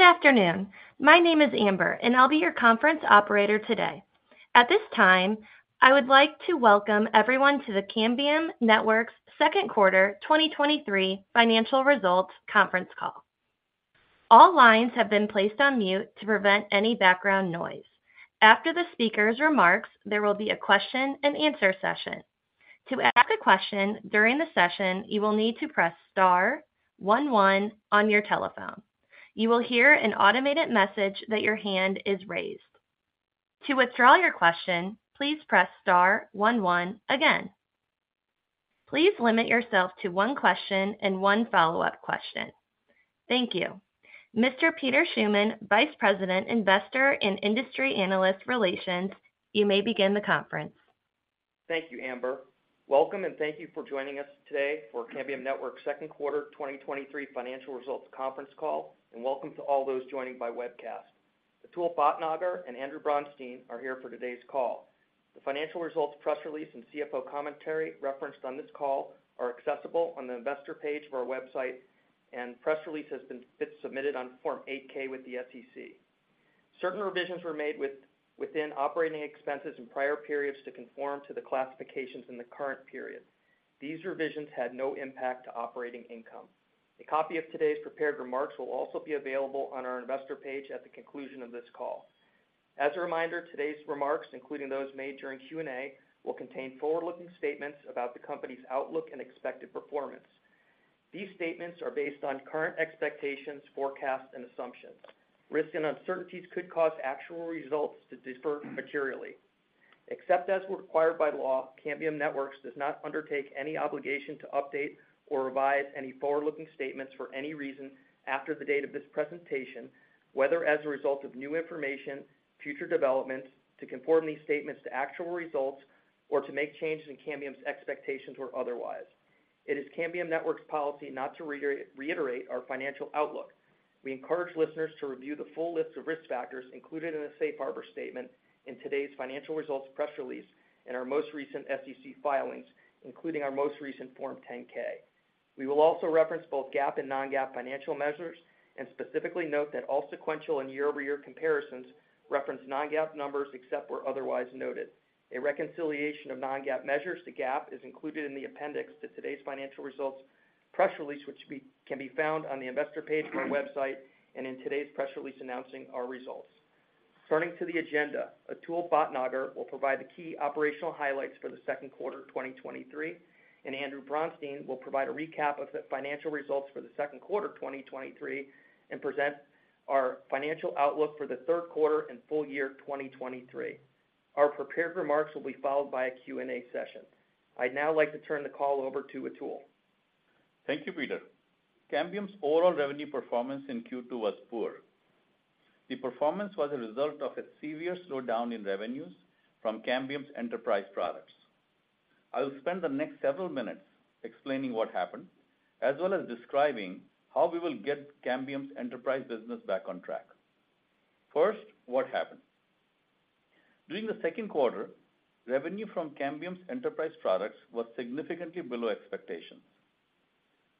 Good afternoon. My name is Amber, and I'll be your conference operator today. At this time, I would like to welcome everyone to the Cambium Networks second quarter 2023 financial results conference call. All lines have been placed on mute to prevent any background noise. After the speaker's remarks, there will be a question-and-answer session. To ask a question during the session, you will need to press Star one one on your telephone. You will hear an automated message that your hand is raised. To withdraw your question, please press Star one one again. Please limit yourself to one question and one follow-up question. Thank you. Mr. Peter Schuman, Vice President, Investor, and Industry Analyst Relations, you may begin the conference. Thank you, Amber. Welcome, and thank you for joining us today for Cambium Networks second quarter 2023 financial results conference call, and welcome to all those joining by webcast. Atul Bhatnagar and Andrew Bronstein are here for today's call. The financial results, press release, and CFO commentary referenced on this call are accessible on the investor page of our website, and press release has been submitted on Form 8-K with the SEC. Certain revisions were made within operating expenses in prior periods to conform to the classifications in the current period. These revisions had no impact to operating income. A copy of today's prepared remarks will also be available on our investor page at the conclusion of this call. As a reminder, today's remarks, including those made during Q&A, will contain forward-looking statements about the company's outlook and expected performance. These statements are based on current expectations, forecasts, and assumptions. Risks and uncertainties could cause actual results to differ materially. Except as required by law, Cambium Networks does not undertake any obligation to update or revise any forward-looking statements for any reason after the date of this presentation, whether as a result of new information, future developments, to conform these statements to actual results, or to make changes in Cambium's expectations or otherwise. It is Cambium Networks' policy not to reiterate our financial outlook. We encourage listeners to review the full list of risk factors included in the Safe Harbor statement in today's financial results press release and our most recent SEC filings, including our most recent Form 10-K. We will also reference both GAAP and non-GAAP financial measures and specifically note that all sequential and year-over-year comparisons reference non-GAAP numbers, except where otherwise noted. A reconciliation of non-GAAP measures to GAAP is included in the appendix to today's financial results press release, which can be found on the investor page of our website and in today's press release announcing our results. Turning to the agenda, Atul Bhatnagar will provide the key operational highlights for the second quarter of 2023, and Andrew Bronstein will provide a recap of the financial results for the second quarter of 2023, and present -ur financial outlook for the third quarter and full year 2023. Our prepared remarks will be followed by a Q&A session. I'd now like to turn the call over to Atul. Thank you, Peter. Cambium's overall revenue performance in Q2 was poor. The performance was a result of a severe slowdown in revenues from Cambium's enterprise products. I will spend the next several minutes explaining what happened, as well as describing how we will get Cambium's enterprise business back on track. First, what happened? During the second quarter, revenue from Cambium's enterprise products was significantly below expectations.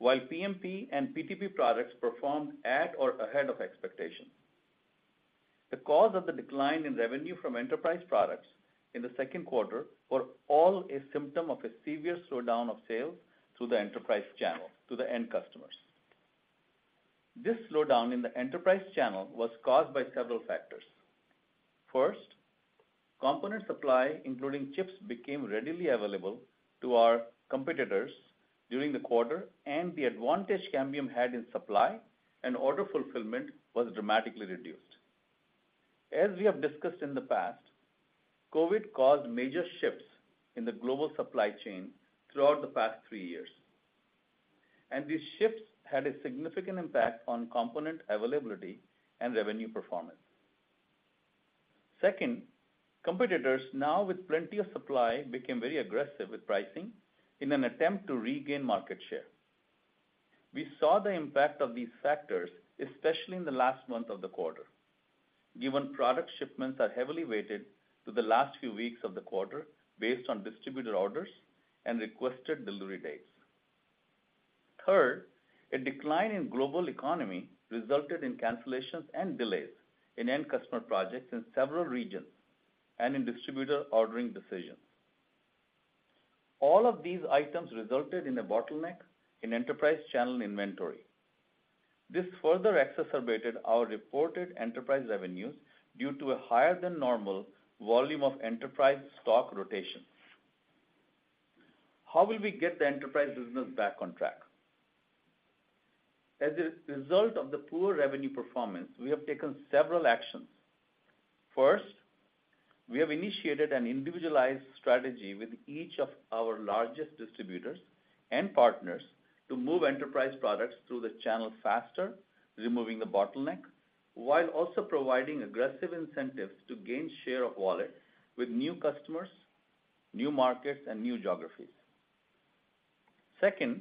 While PMP and PTP products performed at or ahead of expectations. The cause of the decline in revenue from enterprise products in the second quarter were all a symptom of a severe slowdown of sales through the enterprise channel to the end customers. This slowdown in the enterprise channel was caused by several factors. First, component supply, including chips, became readily available to our competitors during the quarter, and the advantage Cambium had in supply and order fulfillment was dramatically reduced. As we have discussed in the past, COVID caused major shifts in the global supply chain throughout the past 3 years, and these shifts had a significant impact on component availability and revenue performance. Second, competitors, now with plenty of supply, became very aggressive with pricing in an attempt to regain market share. We saw the impact of these factors, especially in the last month of the quarter, given product shipments are heavily weighted to the last few weeks of the quarter based on distributor orders and requested delivery dates. Third, a decline in global economy resulted in cancellations and delays in end customer projects in several regions and in distributor ordering decisions. All of these items resulted in a bottleneck in enterprise channel inventory. This further exacerbated our reported enterprise revenues due to a higher-than-normal volume of enterprise stock rotations. How will we get the enterprise business back on track? As a result of the poor revenue performance, we have taken several actions. First, we have initiated an individualized strategy with each of our largest distributors and partners to move enterprise products through the channel faster, removing the bottleneck, while also providing aggressive incentives to gain share of wallet with new customers, new markets, and new geographies. Second,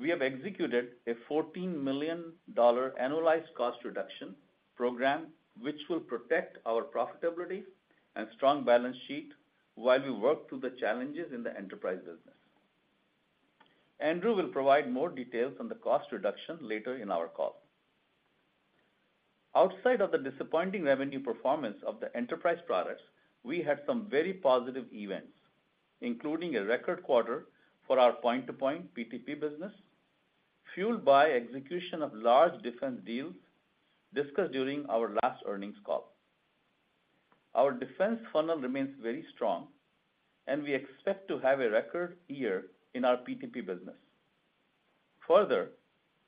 we have executed a $14 million annualized cost reduction program, which will protect our profitability and strong balance sheet while we work through the challenges in the enterprise business. Andrew will provide more details on the cost reduction later in our call. Outside of the disappointing revenue performance of the enterprise products, we had some very positive events, including a record quarter for our Point-to-Point PTP business, fueled by execution of large defense deals discussed during our last earnings call. Our defense funnel remains very strong, and we expect to have a record year in our PTP business. Further,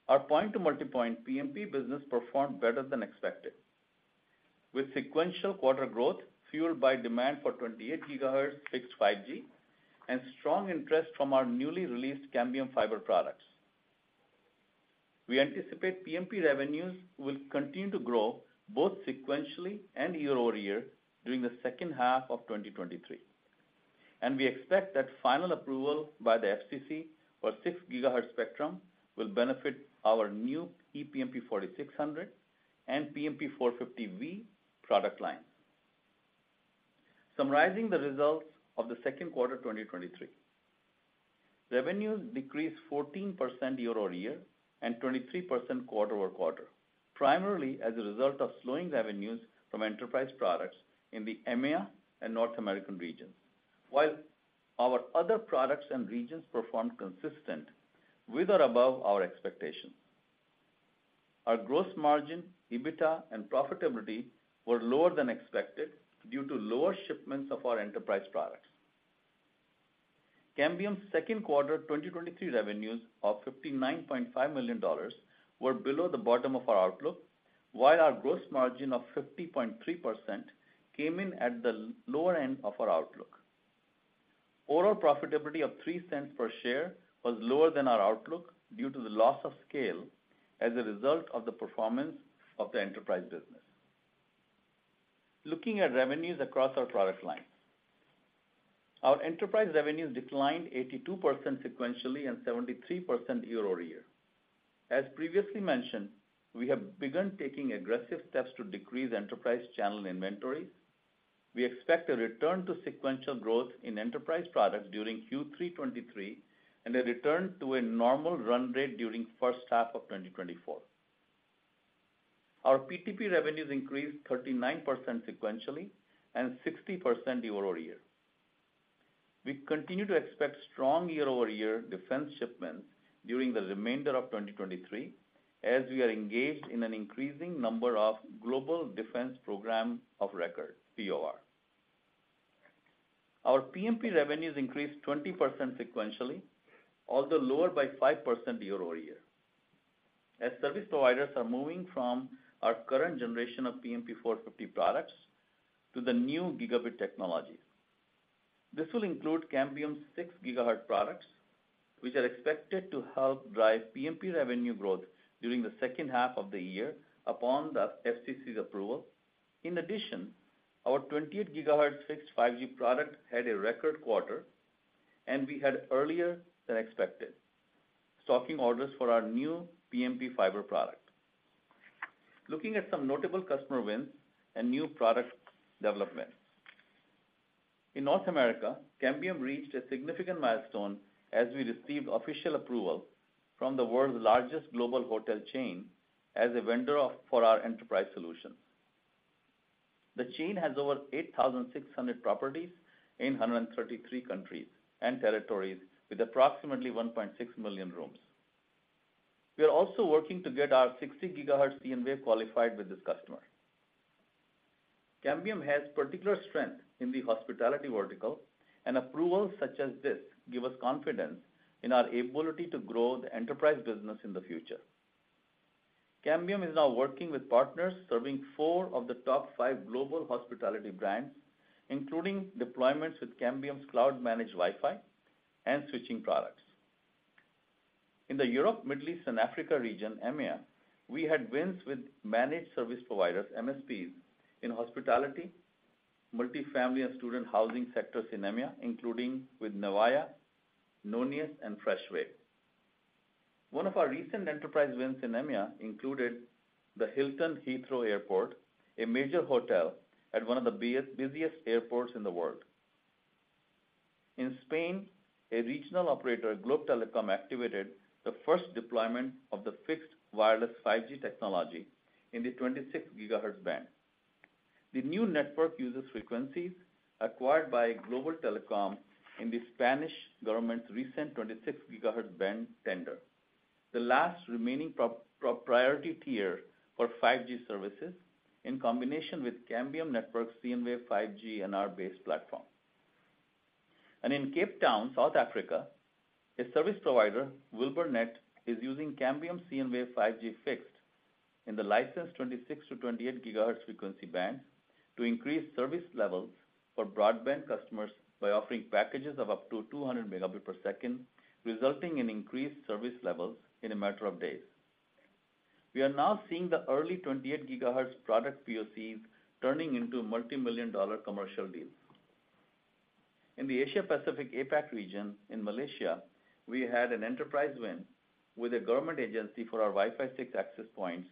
our Point-to-Multipoint PMP business performed better than expected, with sequential quarter growth fueled by demand for 28 GHz fixed 5G and strong interest from our newly released Cambium Fiber products. We anticipate PMP revenues will continue to grow both sequentially and year-over-year during the second half of 2023. We expect that final approval by the FCC for 6 GHz spectrum will benefit our new ePMP 4600 and PMP 450v product lines. Summarizing the results of the second quarter, 2023. Revenues decreased 14% year-over-year and 23% quarter-over-quarter, primarily as a result of slowing revenues from enterprise products in the EMEA and North American regions. While our other products and regions performed consistent with or above our expectations. Our gross margin, EBITDA, and profitability were lower than expected due to lower shipments of our Enterprise products. Cambium's second quarter 2023 revenues of $59.5 million were below the bottom of our outlook, while our gross margin of 50.3% came in at the lower end of our outlook. Overall profitability of $0.03 per share was lower than our outlook due to the loss of scale as a result of the performance of the Enterprise business. Looking at revenues across our product lines. Our enterprise revenues declined 82% sequentially and 73% year-over-year. As previously mentioned, we have begun taking aggressive steps to decrease enterprise channel inventory. We expect a return to sequential growth in enterprise products during Q3 2023, and a return to a normal run rate during first half of 2024. Our PTP revenues increased 39% sequentially and 60% year-over-year. We continue to expect strong year-over-year defense shipments during the remainder of 2023, as we are engaged in an increasing number of Global Defense Program of Record, POR. Our PMP revenues increased 20% sequentially, although lower by 5% year-over-year, as service providers are moving from our current generation of PMP 450 products to the new gigabit technologies. This will include Cambium's 6 GHz products, which are expected to help drive PMP revenue growth during the second half of the year upon the FCC's approval. In addition, our 28 GHz fixed 5G product had a record quarter, and we had earlier than expected stocking orders for our new PMP fiber product. Looking at some notable customer wins and new product developments. In North America, Cambium reached a significant milestone as we received official approval from the world's largest global hotel chain for our enterprise solutions. The chain has over 8,600 properties in 133 countries and territories with approximately 1.6 million rooms. We are also working to get our 60 GHz cnWave qualified with this customer. Cambium has particular strength in the hospitality vertical. Approvals such as this give us confidence in our ability to grow the enterprise business in the future. Cambium is now working with partners serving four of the top five global hospitality brands, including deployments with Cambium's cloud-managed Wi-Fi and switching products. In the Europe, Middle East, and Africa region, EMEA, we had wins with managed service providers, MSPs, in hospitality, multifamily and student housing sectors in EMEA, including with Nevaya, Nonius, and Freshwave. One of our recent enterprise wins in EMEA included the Hilton Heathrow Airport, a major hotel at one of the busiest airports in the world. In Spain, a regional operator, Globe Telecom, activated the first deployment of the fixed wireless 5G technology in the 26 GHz band. The new network uses frequencies acquired by Globe Telecom in the Spanish government's recent 26 GHz band tender, the last remaining priority tier for 5G services, in combination with Cambium Networks' cnWave 5G NR-based platform. In Cape Town, South Africa, a service provider, Wibernet, is using Cambium's cnWave 5G Fixed in the licensed 26 GHz-28 GHz frequency band to increase service levels for broadband customers by offering packages of up to 200 Mbps, resulting in increased service levels in a matter of days. We are now seeing the early 28 GHz product POCs turning into multimillion-dollar commercial deals. In the Asia Pacific, APAC region in Malaysia, we had an enterprise win with a government agency for our Wi-Fi 6 access points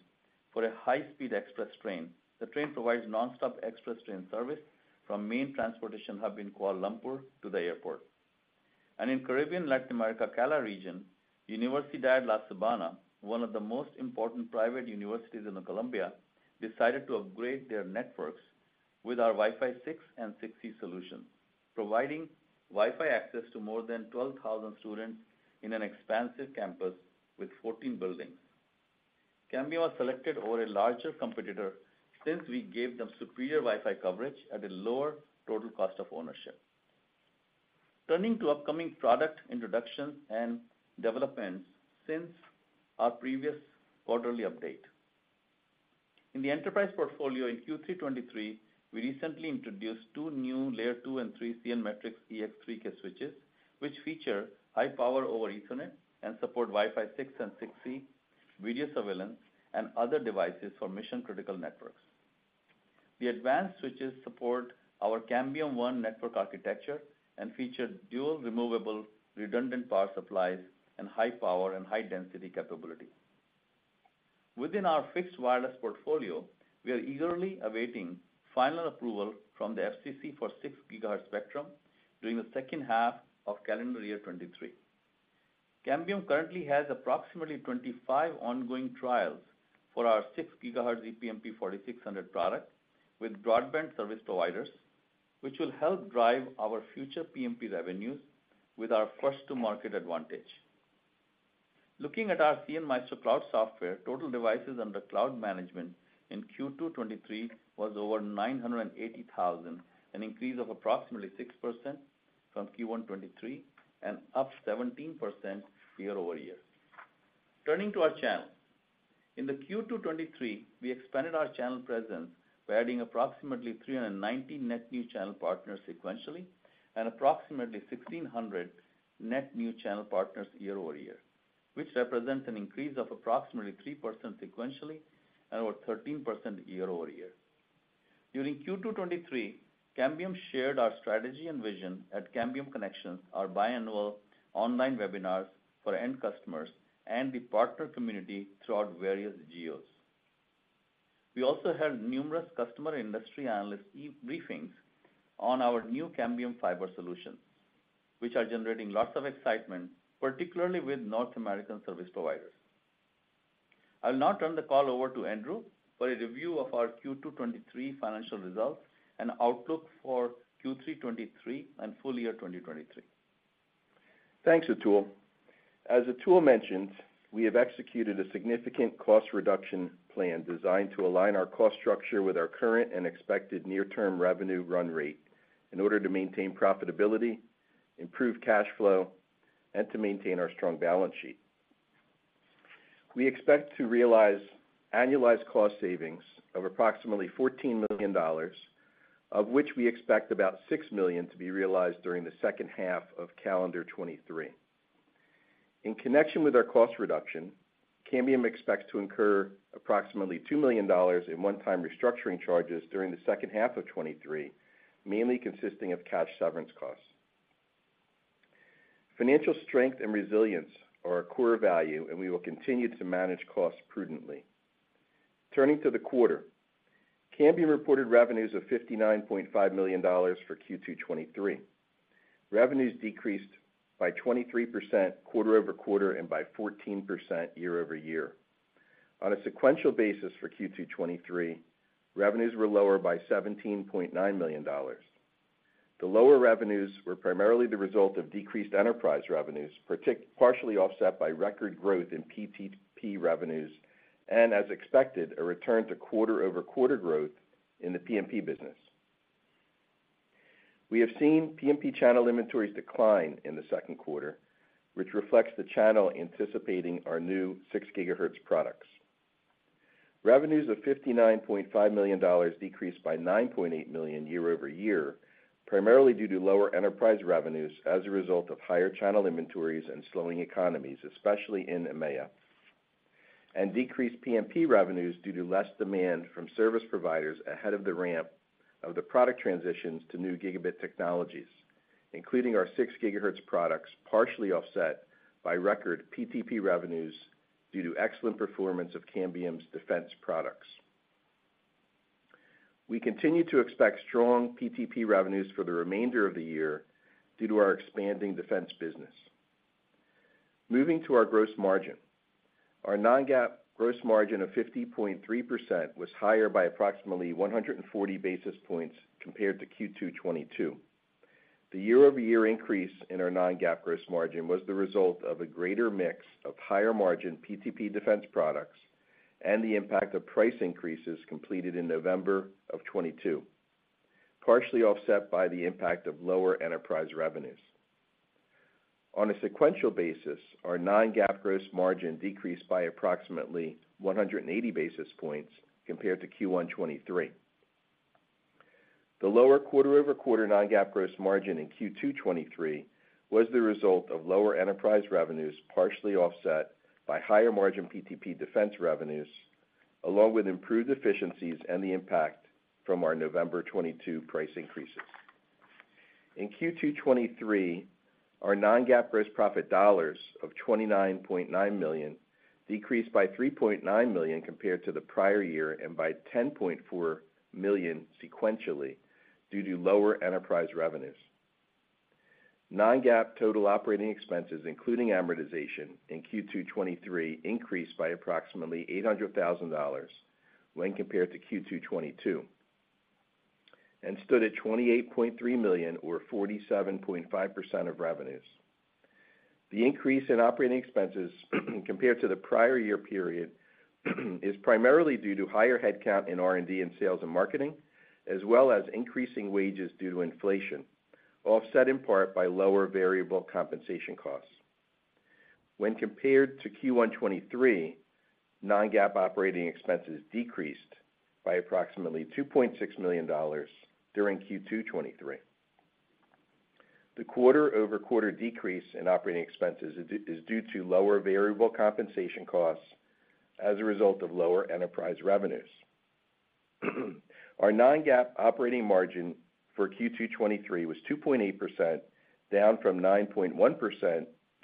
for a high-speed express train. The train provides nonstop express train service from main transportation hub in Kuala Lumpur to the airport. In Caribbean, Latin America, CALA region, Universidad de La Sabana, one of the most important private universities in Colombia, decided to upgrade their networks with our Wi-Fi 6 and 6E solution, providing Wi-Fi access to more than 12,000 students in an expansive campus with 14 buildings. Cambium was selected over a larger competitor since we gave them superior Wi-Fi coverage at a lower total cost of ownership. Turning to upcoming product introductions and developments since our previous quarterly update. In the enterprise portfolio in Q3 2023, we recently introduced 2 new Layer 2 and 3 cnMatrix EX3K switches, which feature high Power over Ethernet and support Wi-Fi 6 and 6E, video surveillance, and other devices for mission-critical networks. The advanced switches support our Cambium ONE Network architecture and feature dual removable, redundant power supplies, and high power and high-density capability. Within our fixed wireless portfolio, we are eagerly awaiting final approval from the FCC for 6 GHz spectrum during the second half of calendar year 2023. Cambium currently has approximately 25 ongoing trials for our 6 GHz ePMP 4600 product with broadband service providers, which will help drive our future PMP revenues with our first-to-market advantage. Looking at our cnMaestro Cloud software, total devices under cloud management in Q2 2023 was over 980,000, an increase of approximately 6% from Q1 2023 and up 17% year-over-year. Turning to our channel. In the Q2 2023, we expanded our channel presence by adding approximately 390 net new channel partners sequentially and approximately 1,600 net new channel partners year-over-year, which represents an increase of approximately 3% sequentially and about 13% year-over-year. During Q2 2023, Cambium shared our strategy and vision at Cambium Connections, our biannual online webinars for end customers and the partner community throughout various geos. We also held numerous customer industry analyst e-briefings on our new Cambium Fiber solutions, which are generating lots of excitement, particularly with North American service providers. I'll now turn the call over to Andrew for a review of our Q2 '23 financial results and outlook for Q3 2023 and full-year 2023. Thanks, Atul. As Atul mentioned, we have executed a significant cost reduction plan designed to align our cost structure with our current and expected near-term revenue run rate in order to maintain profitability, improve cash flow, and to maintain our strong balance sheet. We expect to realize annualized cost savings of approximately $14 million, of which we expect about $6 million to be realized during the second half of calendar 2023. In connection with our cost reduction, Cambium expects to incur approximately $2 million in one-time restructuring charges during the second half of 2023, mainly consisting of cash severance costs. Financial strength and resilience are our core value, and we will continue to manage costs prudently. Turning to the quarter, Cambium reported revenues of $59.5 million for Q2 2023. Revenues decreased by 23% quarter-over-quarter and by 14% year-over-year. On a sequential basis for Q2 2023, revenues were lower by $17.9 million. The lower revenues were primarily the result of decreased enterprise revenues, partially offset by record growth in PTP revenues and, as expected, a return to quarter-over-quarter growth in the PMP business. We have seen PMP channel inventories decline in the second quarter, which reflects the channel anticipating our new 6 GHz products. Revenues of $59.5 million decreased by $9.8 million year-over-year, primarily due to lower enterprise revenues as a result of higher channel inventories and slowing economies, especially in EMEA, and decreased PMP revenues due to less demand from service providers ahead of the ramp of the product transitions to new gigabit technologies, including our 6 GHz products, partially offset by record PTP revenues due to excellent performance of Cambium's defense products. We continue to expect strong PTP revenues for the remainder of the year due to our expanding defense business. Moving to our gross margin. Our non-GAAP gross margin of 50.3% was higher by approximately 140 basis points compared to Q2 2022. The year-over-year increase in our non-GAAP gross margin was the result of a greater mix of higher-margin PTP defense products and the impact of price increases completed in November 2022, partially offset by the impact of lower enterprise revenues. On a sequential basis, our non-GAAP gross margin decreased by approximately 180 basis points compared to Q1 2023. The lower quarter-over-quarter non-GAAP gross margin in Q2 2023 was the result of lower enterprise revenues, partially offset by higher-margin PTP defense revenues, along with improved efficiencies and the impact from our November 2022 price increases. In Q2 2023, our non-GAAP gross profit dollars of $29.9 million decreased by $3.9 million compared to the prior year, and by $10.4 million sequentially, due to lower enterprise revenues. Non-GAAP total operating expenses, including amortization, in Q2 2023 increased by approximately $800,000 when compared to Q2 2022, and stood at $28.3 million, or 47.5% of revenues. The increase in operating expenses compared to the prior year period, is primarily due to higher headcount in R&D and sales and marketing, as well as increasing wages due to inflation, offset in part by lower variable compensation costs. When compared to Q1 2023, non-GAAP operating expenses decreased by approximately $2.6 million during Q2 2023. The quarter-over-quarter decrease in operating expenses is due to lower variable compensation costs as a result of lower enterprise revenues. Our non-GAAP operating margin for Q2 2023 was 2.8%, down from 9.1%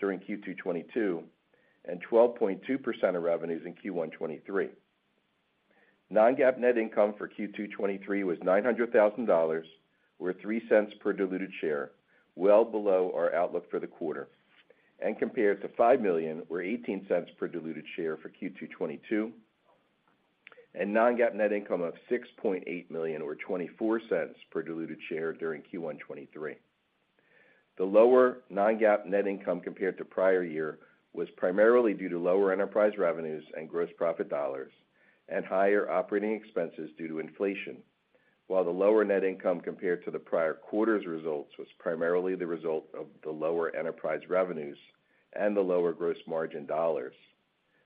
during Q2 2022, and 12.2% of revenues in Q1 2023. Non-GAAP net income for Q2 2023 was $900,000, or $0.03 per diluted share, well below our outlook for the quarter, and compared to $5 million, or $0.18 per diluted share for Q2 2022, and non-GAAP net income of $6.8 million or $0.24 per diluted share during Q1 2023. The lower non-GAAP net income compared to prior year was primarily due to lower enterprise revenues and gross profit dollars, and higher operating expenses due to inflation. While the lower net income compared to the prior quarter's results, was primarily the result of the lower enterprise revenues and the lower gross margin dollars,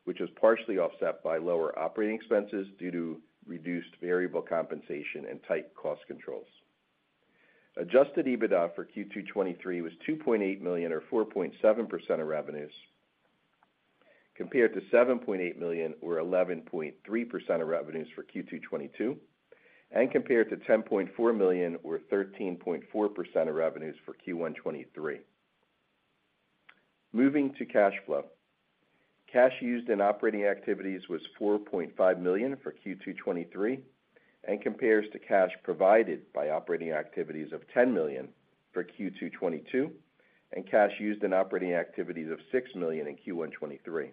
which was partially offset by lower operating expenses due to reduced variable compensation and tight cost controls. Adjusted EBITDA for Q2 2023 was $2.8 million, or 4.7% of revenues, compared to $7.8 million, or 11.3% of revenues for Q2 2022, and compared to $10.4 million, or 13.4% of revenues for Q1 2023. Moving to cash flow. Cash used in operating activities was $4.5 million for Q2 2023, and compares to cash provided by operating activities of $10 million for Q2 2022, and cash used in operating activities of $6 million in Q1 2023.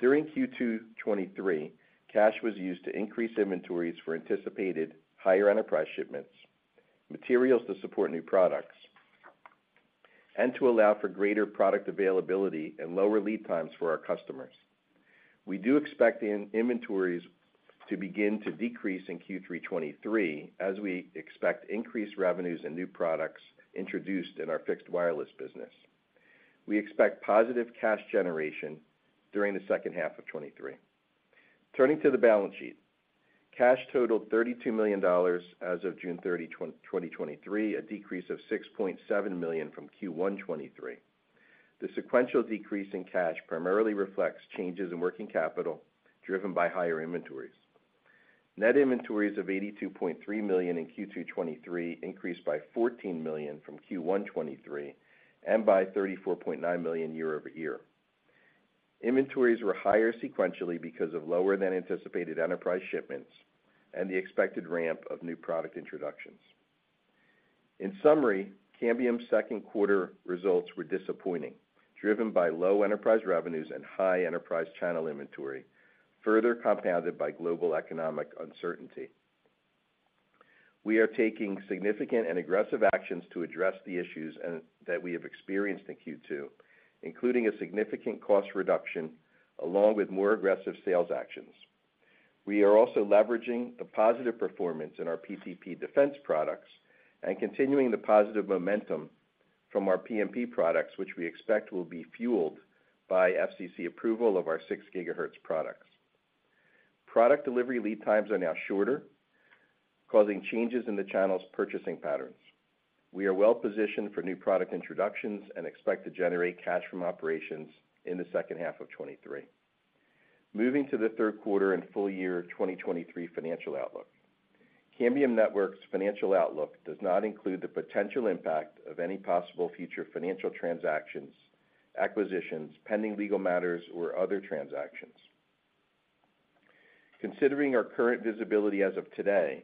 During Q2 2023, cash was used to increase inventories for anticipated higher enterprise shipments, materials to support new products, and to allow for greater product availability and lower lead times for our customers. We do expect the inventories to begin to decrease in Q3 2023, as we expect increased revenues and new products introduced in our Fixed Wireless business. We expect positive cash generation during the second half of 2023. Turning to the balance sheet. Cash totaled $32 million as of June 30, 2023, a decrease of $6.7 million from Q1 2023. The sequential decrease in cash primarily reflects changes in working capital, driven by higher inventories. Net inventories of $82.3 million in Q2 2023 increased by $14 million from Q1 2023, and by $34.9 million year-over-year. Inventories were higher sequentially because of lower than anticipated enterprise shipments and the expected ramp of new product introductions. In summary, Cambium's second quarter results were disappointing, driven by low enterprise revenues and high enterprise channel inventory, further compounded by global economic uncertainty. We are taking significant and aggressive actions to address the issues that we have experienced in Q2, including a significant cost reduction, along with more aggressive sales actions. We are also leveraging the positive performance in our PTP defense products and continuing the positive momentum from our PMP products, which we expect will be fueled by FCC approval of our 6 GHz products. Product delivery lead times are now shorter, causing changes in the channel's purchasing patterns. We are well-positioned for new product introductions and expect to generate cash from operations in the second half of 2023. Moving to the third quarter and full-year 2023 financial outlook. Cambium Networks' financial outlook does not include the potential impact of any possible future financial transactions, acquisitions, pending legal matters, or other transactions. Considering our current visibility as of today,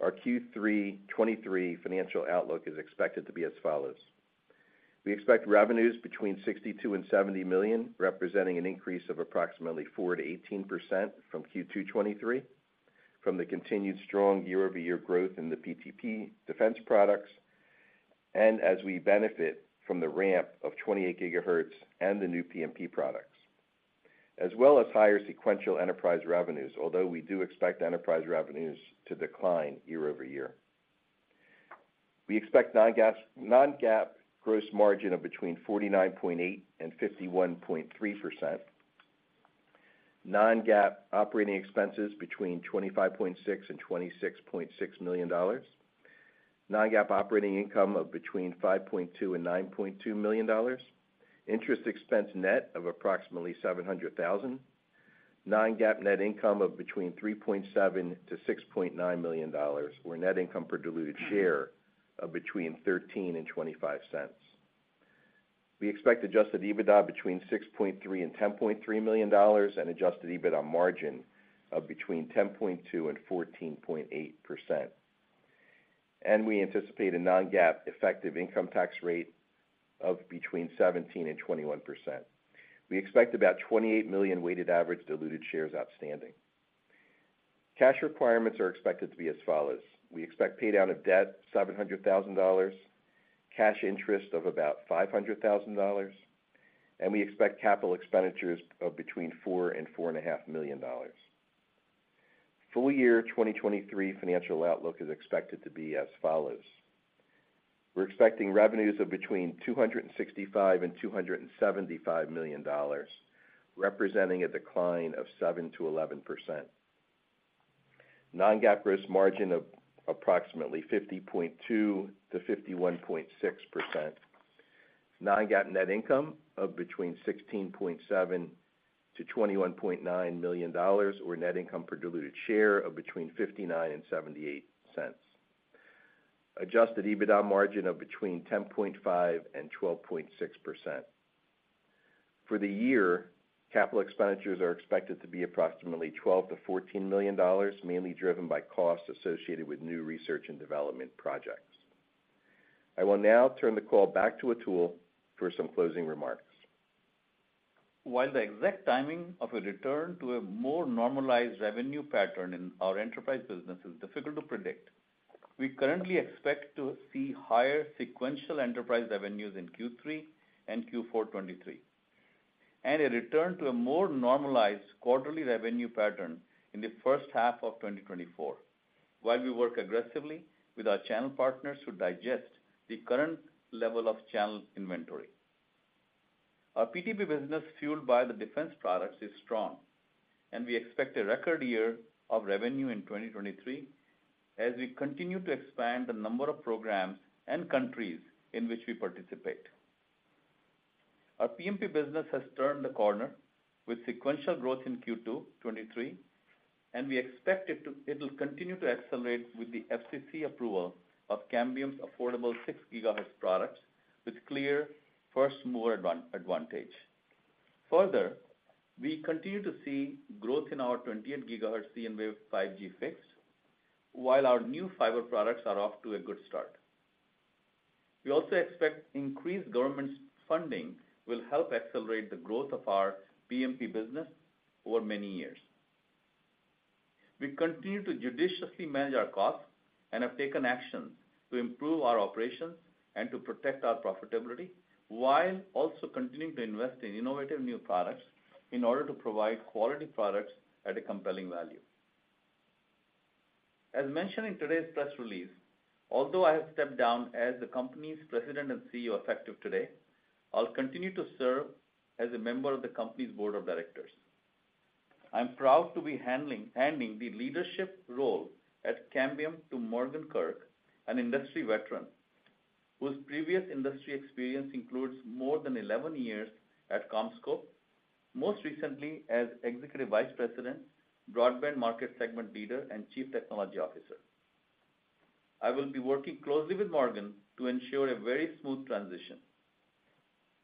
our Q3 2023 financial outlook is expected to be as follows: We expect revenues between $62 million-$70 million, representing an increase of approximately 4%-18% from Q2 23, from the continued strong year-over-year growth in the PTP defense products, and as we benefit from the ramp of 28 GHz and the new PMP products, as well as higher sequential enterprise revenues, although we do expect enterprise revenues to decline year-over-year. We expect non-GAAP, non-GAAP gross margin of between 49.8% and 51.3%, non-GAAP operating expenses between $25.6 million and $26.6 million, non-GAAP operating income of between $5.2 million and $9.2 million, interest expense net of approximately $700,000, non-GAAP net income of between $3.7 million to $6.9 million, or net income per diluted share of between $0.13 and $0.25. We expect adjusted EBITDA between $6.3 million and $10.3 million and adjusted EBITDA margin of between 10.2% and 14.8%. We anticipate a non-GAAP effective income tax rate of between 17% and 21%. We expect about 28 million weighted average diluted shares outstanding. Cash requirements are expected to be as follows: We expect pay down of debt, $700,000, cash interest of about $500,000, and we expect capital expenditures of between $4 million-$4.5 million. Full-year 2023 financial outlook is expected to be as follows: We're expecting revenues of between $265 million-$275 million, representing a decline of 7%-11%. non-GAAP gross margin of approximately 50.2%-51.6%. non-GAAP net income of between $16.7 million-$21.9 million, or net income per diluted share of between $0.59-$0.78. Adjusted EBITDA margin of between 10.5%-12.6%. For the year, capital expenditures are expected to be approximately $12 million-$14 million, mainly driven by costs associated with new research and development projects. I will now turn the call back to Atul for some closing remarks. While the exact timing of a return to a more normalized revenue pattern in our enterprise business is difficult to predict, we currently expect to see higher sequential enterprise revenues in Q3 and Q4 2023, and a return to a more normalized quarterly revenue pattern in the first half of 2024, while we work aggressively with our channel partners to digest the current level of channel inventory. Our PTP business, fueled by the defense products, is strong, and we expect a record year of revenue in 2023, as we continue to expand the number of programs and countries in which we participate. Our PMP business has turned the corner with sequential growth in Q2 2023, and we expect it'll continue to accelerate with the FCC approval of Cambium's affordable 6 GHz products, with clear first-mover advantage. We continue to see growth in our 28 GHz cnWave 5G Fixed, while our new Fiber products are off to a good start. We also expect increased government funding will help accelerate the growth of our PMP business over many years. We continue to judiciously manage our costs and have taken action to improve our operations and to protect our profitability, while also continuing to invest in innovative new products in order to provide quality products at a compelling value. As mentioned in today's press release, although I have stepped down as the company's President and CEO, effective today, I'll continue to serve as a member of the company's Board of Directors. I'm proud to be handling, handing the leadership role at Cambium to Morgan Kurk, an industry veteran, whose previous industry experience includes more than 11 years at CommScope, most recently as Executive Vice President, Broadband Market Segment Leader, and Chief Technology Officer. I will be working closely with Morgan to ensure a very smooth transition.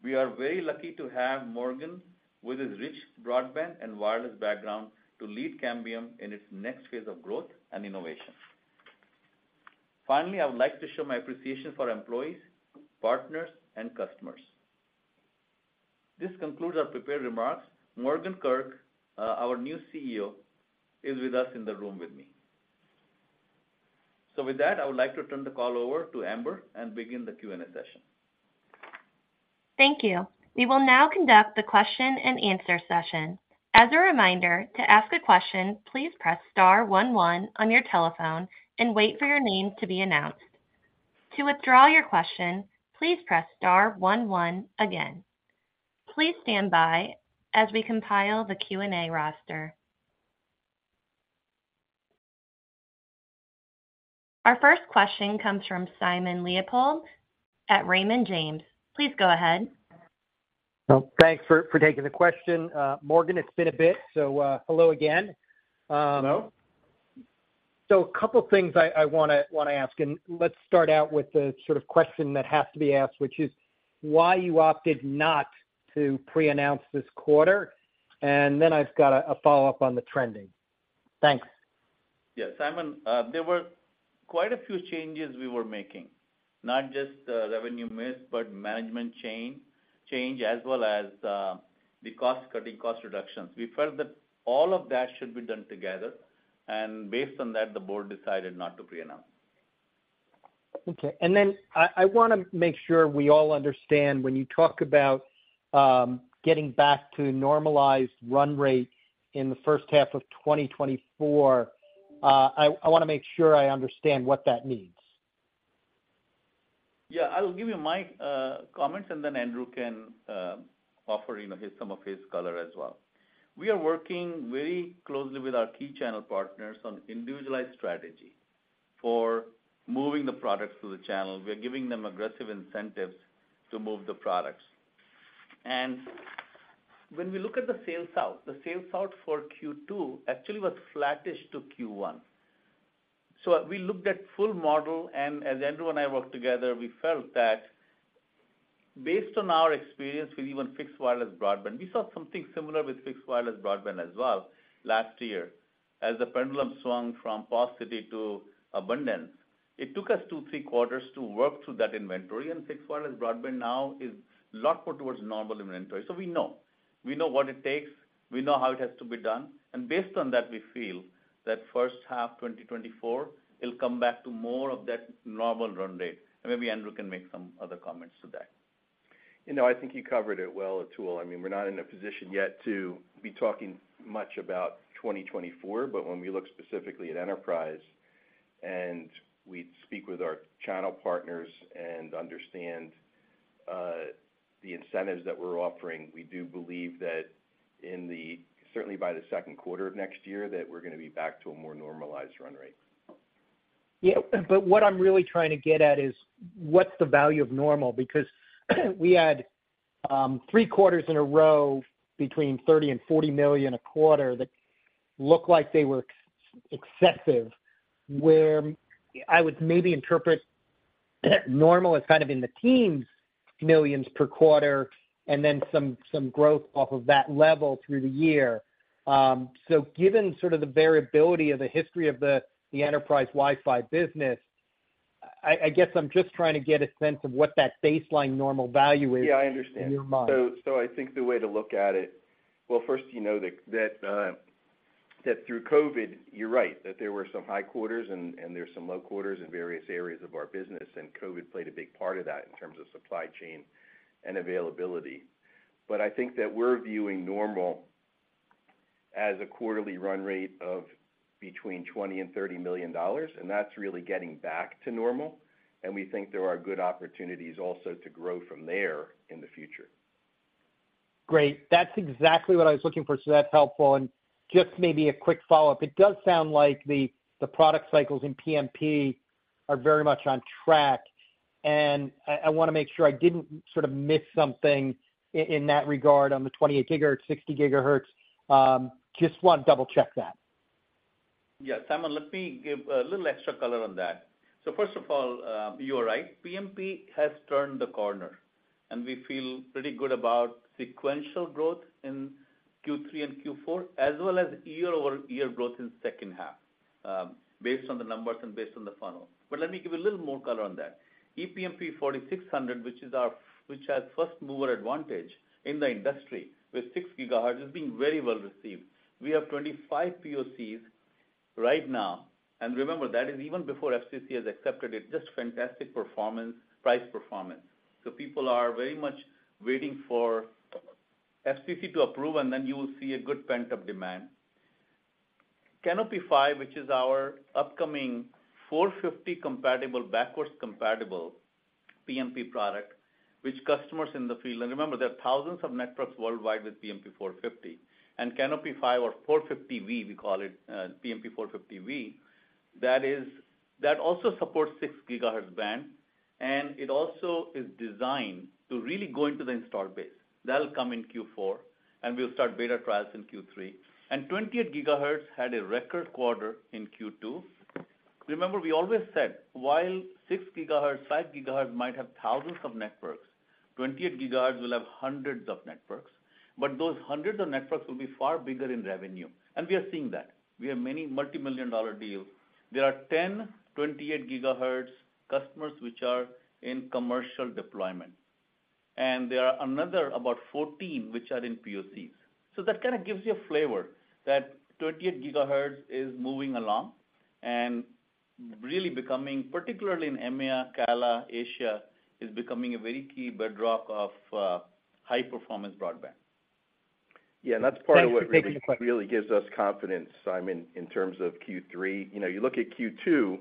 We are very lucky to have Morgan, with his rich broadband and wireless background, to lead Cambium in its next phase of growth and innovation. Finally, I would like to show my appreciation for employees, partners, and customers. This concludes our prepared remarks. Morgan Kurk, our new CEO, is with us in the room with me. With that, I would like to turn the call over to Amber and begin the Q&A session. Thank you. We will now conduct the question-and-answer session. As a reminder, to ask a question, please press Star one one on your telephone and wait for your name to be announced. To withdraw your question, please press Star one one again. Please stand by as we compile the Q&A roster. Our first question comes from Simon Leopold at Raymond James. Please go ahead. Well, thanks for, for taking the question. Morgan, it's been a bit, so, hello again. Hello. Two things I wanna ask, let's start out with the sort of question that has to be asked, which is why you opted not to pre-announce this quarter? Then I've got a follow-up on the trending. Thanks. Yeah, Simon, there were quite a few changes we were making, not just revenue miss, but management change, as well as the cost cutting, cost reductions. We felt that all of that should be done together. Based on that, the Board decided not to pre-announce. Okay, then I, I wanna make sure we all understand, when you talk about, getting back to normalized run rate in the first half of 2024, I, I wanna make sure I understand what that means. Yeah, I'll give you my comments, and then Andrew can offer, you know, his, some of his color as well. We are working very closely with our key channel partners on individualized strategy for moving the products to the channel. We are giving them aggressive incentives to move the products. When we look at the sales out, the sales out for Q2 actually was flattish to Q1. We looked at full model, and as Andrew and I worked together, we felt that based on our experience with even fixed wireless broadband, we saw something similar with fixed wireless broadband as well last year. As the pendulum swung from paucity to abundance, it took us 2, 3 quarters to work through that inventory, and fixed wireless broadband now is a lot more towards normal inventory. We know. We know what it takes, we know how it has to be done, and based on that, we feel that first half 2024, it'll come back to more of that normal run rate. Maybe Andrew can make some other comments to that. You know, I think you covered it well, Atul. I mean, we're not in a position yet to be talking much about 2024. When we look specifically at enterprise, and we speak with our channel partners and understand the incentives that we're offering, we do believe that certainly by the second quarter of next year, that we're going to be back to a more normalized run rate. Yeah, what I'm really trying to get at is, what's the value of normal? Because we had three quarters in a row between $30 million and $40 million a quarter that looked like they were excessive, where I would maybe interpret normal as kind of in the teens, millions per quarter, and then some, some growth off of that level through the year. Given sort of the variability of the history of the enterprise Wi-Fi business, I, I guess I'm just trying to get a sense of what that baseline normal value is- Yeah, I understand. in your mind. I think the way to look at it. Well, first, you know, that, that, that through COVID, you're right, that there were some high quarters and, and there's some low quarters in various areas of our business, and COVID played a big part of that in terms of supply chain and availability. I think that we're viewing normal as a quarterly run rate of between $20 million and $30 million, and that's really getting back to normal, and we think there are good opportunities also to grow from there in the future. Great. That's exactly what I was looking for, so that's helpful. Just maybe a quick follow-up. It does sound like the product cycles in PMP are very much on track, and I want to make sure I didn't sort of miss something in that regard on the 28 GHz, 60 GHz. Just want to double-check that. Yeah, Simon, let me give a little extra color on that. First of all, you are right, PMP has turned the corner, and we feel pretty good about sequential growth in Q3 and Q4, as well as year-over-year growth in second half, based on the numbers and based on the funnel. Let me give a little more color on that. ePMP 4600, which has first mover advantage in the industry, with 6 GHz, is being very well received. We have 25 POCs right now, and remember, that is even before FCC has accepted it, just fantastic performance, price performance. People are very much waiting for FCC to approve, and then you will see a good pent-up demand. Canopy 5, which is our upcoming 450 compatible, backwards compatible PMP product, which customers in the field Remember, there are thousands of networks worldwide with PMP 450, and Canopy 5 or 450v, we call it, PMP 450v, that also supports 6 GHz band, and it also is designed to really go into the install base. That'll come in Q4, and we'll start beta trials in Q3. And 28 GHz had a record quarter in Q2. Remember, we always said, while 6 GHz, 5 GHz might have thousands of networks, 28 GHz will have hundreds of networks, but those hundreds of networks will be far bigger in revenue, and we are seeing that. We have many multimillion-dollar deals. There are 10 28 GHz customers which are in commercial deployment, and there are another about 14 which are in POCs. That kind of gives you a flavor that 28 GHz is moving along and really becoming, particularly in EMEA, CALA, Asia, is becoming a very key bedrock of high-performance broadband. Yeah, that's part of what- Thanks for taking the question. Really gives us confidence, Simon, in terms of Q3. You know, you look at Q2,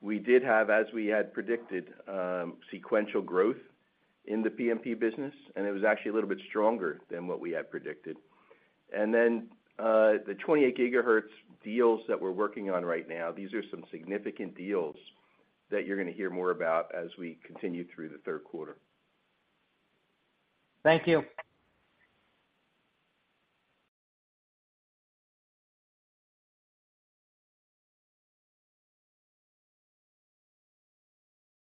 we did have, as we had predicted, sequential growth in the PMP business, and it was actually a little bit stronger than what we had predicted. The 28 GHz deals that we're working on right now, these are some significant deals that you're going to hear more about as we continue through the third quarter. Thank you.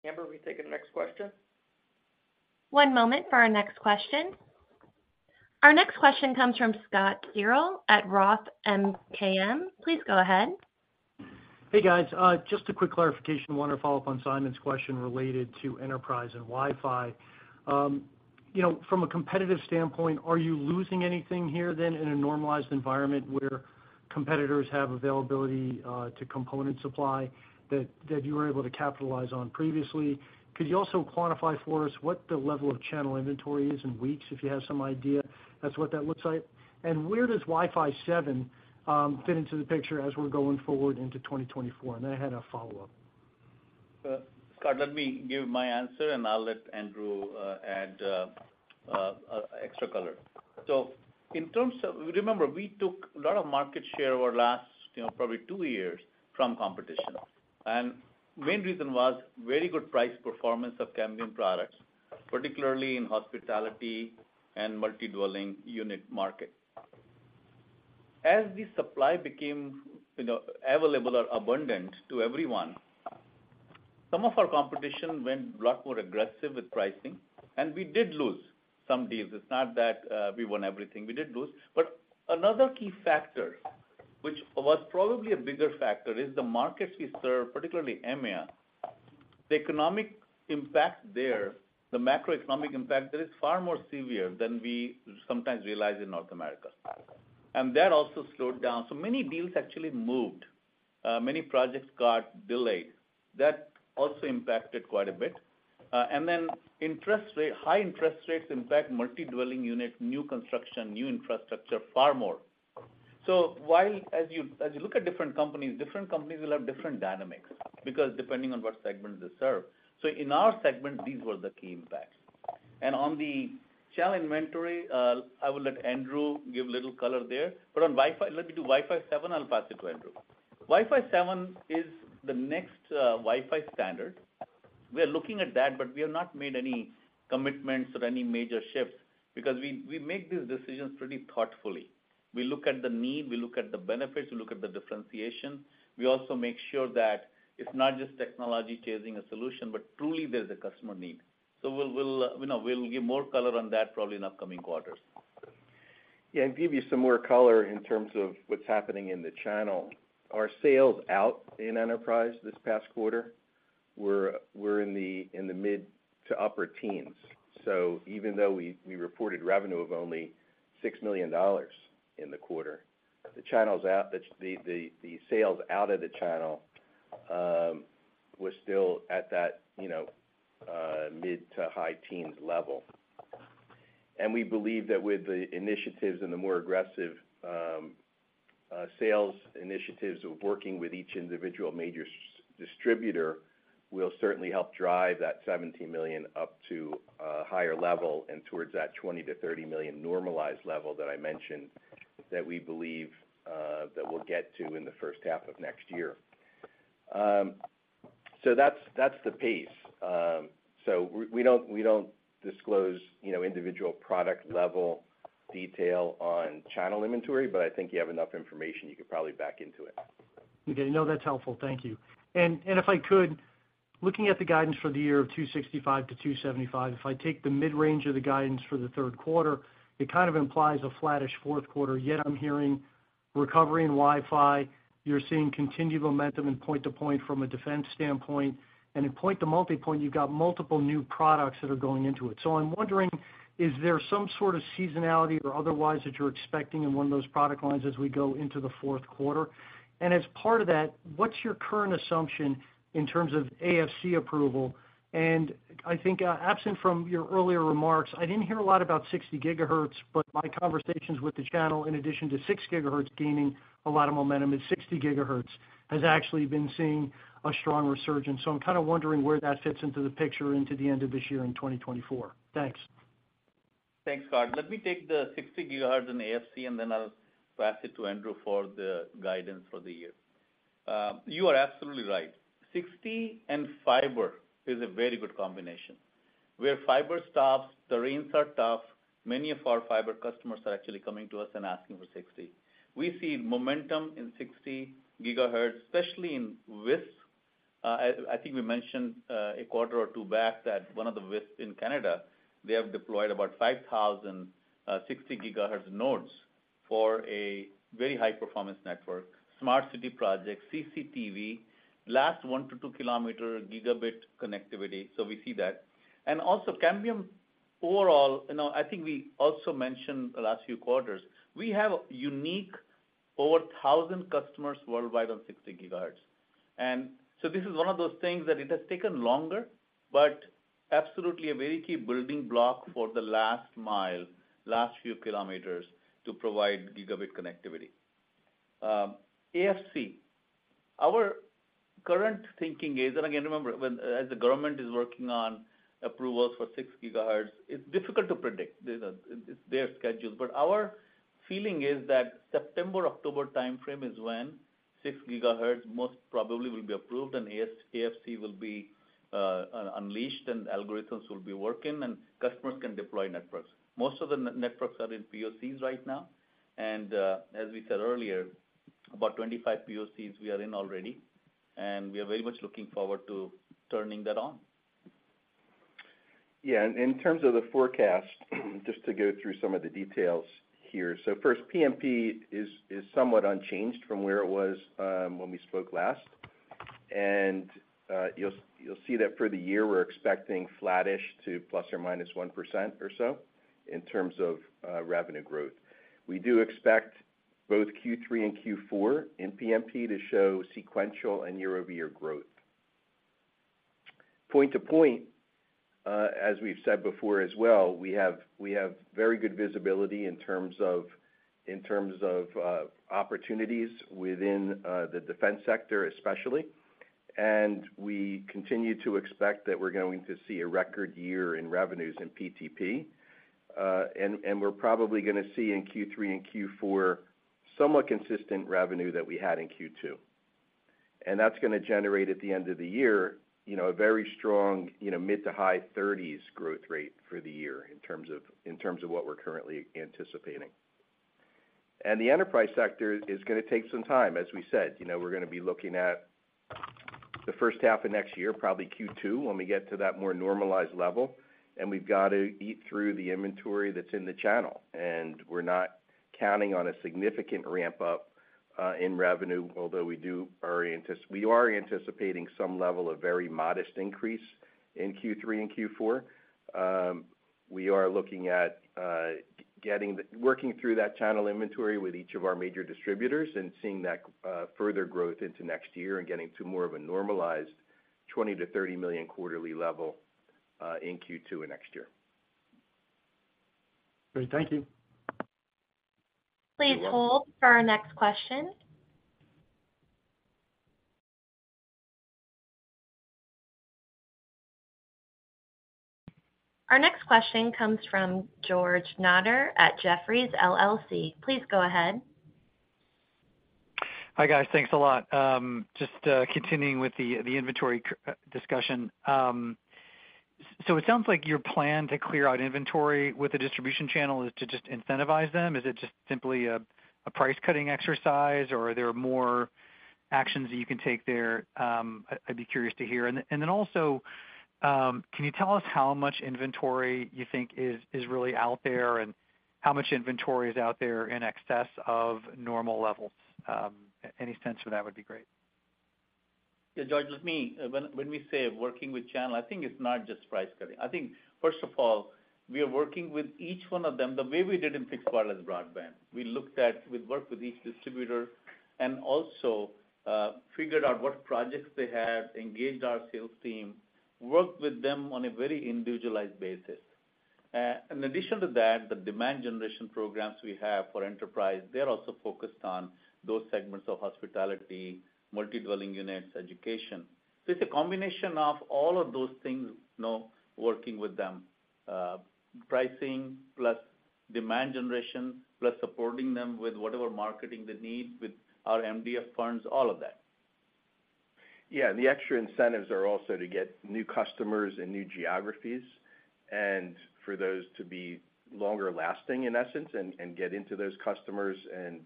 Amber, can we take the next question? One moment for our next question. Our next question comes from Scott Searle at ROTH MKM. Please go ahead. Hey, guys. Just a quick clarification. I want to follow up on Simon's question related to enterprise and Wi-Fi. You know, from a competitive standpoint, are you losing anything here then in a normalized environment where competitors have availability to component supply that, that you were able to capitalize on previously? Could you also quantify for us what the level of channel inventory is in weeks, if you have some idea, as what that looks like? Where does Wi-Fi 7 fit into the picture as we're going forward into 2024? I had a follow-up. Scott, let me give my answer, and I'll let Andrew add extra color. In terms of-- remember, we took a lot of market share over the last, you know, probably 2 years from competition. The main reason was very good price performance of Cambium products, particularly in hospitality and multi-dwelling unit market. As the supply became, you know, available or abundant to everyone, some of our competition went a lot more aggressive with pricing, and we did lose some deals. It's not that we won everything. We did lose. Another key factor, which was probably a bigger factor, is the markets we serve, particularly EMEA, the economic impact there, the macroeconomic impact there is far more severe than we sometimes realize in North America. That also slowed down. Many deals actually moved. Many projects got delayed. That also impacted quite a bit. Interest rate, high-interest rates impact multi-dwelling unit, new construction, new infrastructure, far more. While as you, as you look at different companies, different companies will have different dynamics because depending on what segments they serve. In our segment, these were the key impacts. On the channel inventory, I will let Andrew give a little color there. On Wi-Fi, let me do Wi-Fi 7, I'll pass it to Andrew. Wi-Fi 7 is the next Wi-Fi standard. We are looking at that, but we have not made any commitments or any major shifts because we, we make these decisions pretty thoughtfully. We look at the need, we look at the benefits, we look at the differentiation. We also make sure that it's not just technology chasing a solution, but truly there's a customer need. we'll, you know, we'll give more color on that probably in upcoming quarters. Yeah, give you some more color in terms of what's happening in the channel. Our sales out in enterprise this past quarter were, were in the, in the mid to upper teens. Even though we, we reported revenue of only $6 million in the quarter, the channels out, the, the, the sales out of the channel, was still at that, you know, mid to high teens level. We believe that with the initiatives and the more aggressive sales initiatives of working with each individual major distributor, will certainly help drive that $17 million up to a higher level and towards that $20 million-$30 million normalized level that I mentioned, that we believe that we'll get to in the first half of next year. That's, that's the pace. We, we don't, we don't disclose, you know, individual product level detail on channel inventory, but I think you have enough information, you could probably back into it. Okay, no, that's helpful. Thank you. If I could, looking at the guidance for the year of $265-$275, if I take the mid-range of the guidance for the third quarter, it kind of implies a flattish fourth quarter, yet I'm hearing recovery in Wi-Fi, you're seeing continued momentum in Point-to-Point from a defense standpoint, and in Point-to-Multipoint, you've got multiple new products that are going into it. I'm wondering, is there some sort of seasonality or otherwise, that you're expecting in one of those product lines as we go into the fourth quarter? As part of that, what's your current assumption in terms of AFC approval? I think, absent from your earlier remarks, I didn't hear a lot about 60 GHz, but my conversations with the channel, in addition to 6 GHz gaining a lot of momentum, is 60 GHz has actually been seeing a strong resurgence. I'm kind of wondering where that fits into the picture into the end of this year in 2024. Thanks. Thanks, Scott. Let me take the 60 GHz and AFC, and then I'll pass it to Andrew for the guidance for the year. You are absolutely right. 60 GHz and fiber is a very good combination. Where fiber stops, the rains are tough, many of our fiber customers are actually coming to us and asking for 60 GHz. We see momentum in 60 GHz, especially in WISP. I, I think we mentioned a quarter or two back that one of the WISP in Canada, they have deployed about 5,000 60 GHz nodes for a very high-performance network, smart city project, CCTV, last 1 to 2 km gigabit connectivity. We see that. Also, Cambium, overall, you know, I think we also mentioned the last few quarters, we have unique over 1,000 customers worldwide on 60 GHz. This is one of those things that it has taken longer, but absolutely a very key building block for the last mile, last few kilometers to provide gigabit connectivity. AFC. Our current thinking is, and again, remember, when, as the government is working on approvals for 6 GHz, it's difficult to predict. These are its schedules. Our feeling is that September-October timeframe is when 6 GHz most probably will be approved and AFC will be unleashed, and algorithms will be working, and customers can deploy networks. Most of the networks are in POCs right now, and as we said earlier, about 25 POCs we are in already, and we are very much looking forward to turning that on. In terms of the forecast, just to go through some of the details here. First, PMP is somewhat unchanged from where it was when we spoke last. You'll see that for the year, we're expecting flattish to ±1% or so in terms of revenue growth. We do expect both Q3 and Q4 in PMP to show sequential and year-over-year growth. Point-to-Point, as we've said before as well, we have very good visibility in terms of opportunities within the defense sector especially. We continue to expect that we're going to see a record year in revenues in PTP. We're probably gonna see in Q3 and Q4, somewhat consistent revenue that we had in Q2. That's gonna generate, at the end of the year, you know, a very strong, you know, mid-to-high 30s growth rate for the year in terms of, in terms of what we're currently anticipating. The Enterprise sector is gonna take some time, as we said. You know, we're gonna be looking at the first half of next year, probably Q2, when we get to that more normalized level, and we've got to eat through the inventory that's in the channel. We're not counting on a significant ramp-up in revenue, although we are anticipating some level of very modest increase in Q3 and Q4. We are looking at working through that channel inventory with each of our major distributors and seeing that further growth into next year and getting to more of a normalized $20 million-$30 million quarterly level in Q2 of next year. Great, thank you. Please hold for our next question. Our next question comes from George Notter at Jefferies LLC. Please go ahead. Hi, guys. Thanks a lot. Just continuing with the inventory discussion. It sounds like your plan to clear out inventory with the distribution channel is to just incentivize them. Is it just simply a price-cutting exercise, or are there more actions that you can take there? I'd, I'd be curious to hear. Can you tell us how much inventory you think is, is really out there, and how much inventory is out there in excess of normal levels? Any sense of that would be great. Yeah, George, it's me. When, when we say working with channel, I think it's not just price cutting. I think, first of all, we are working with each one of them, the way we did in fixed wireless broadband. We looked at, we worked with each distributor and also, figured out what projects they had, engaged our sales team, worked with them on a very individualized basis. In addition to that, the demand generation programs we have for enterprise, they're also focused on those segments of hospitality, multi-dwelling units, education. It's a combination of all of those things, you know, working with them. Pricing, plus demand generation, plus supporting them with whatever marketing they need, with our MDF funds, all of that. Yeah, the extra incentives are also to get new customers in new geographies, and for those to be longer lasting, in essence, and, and get into those customers and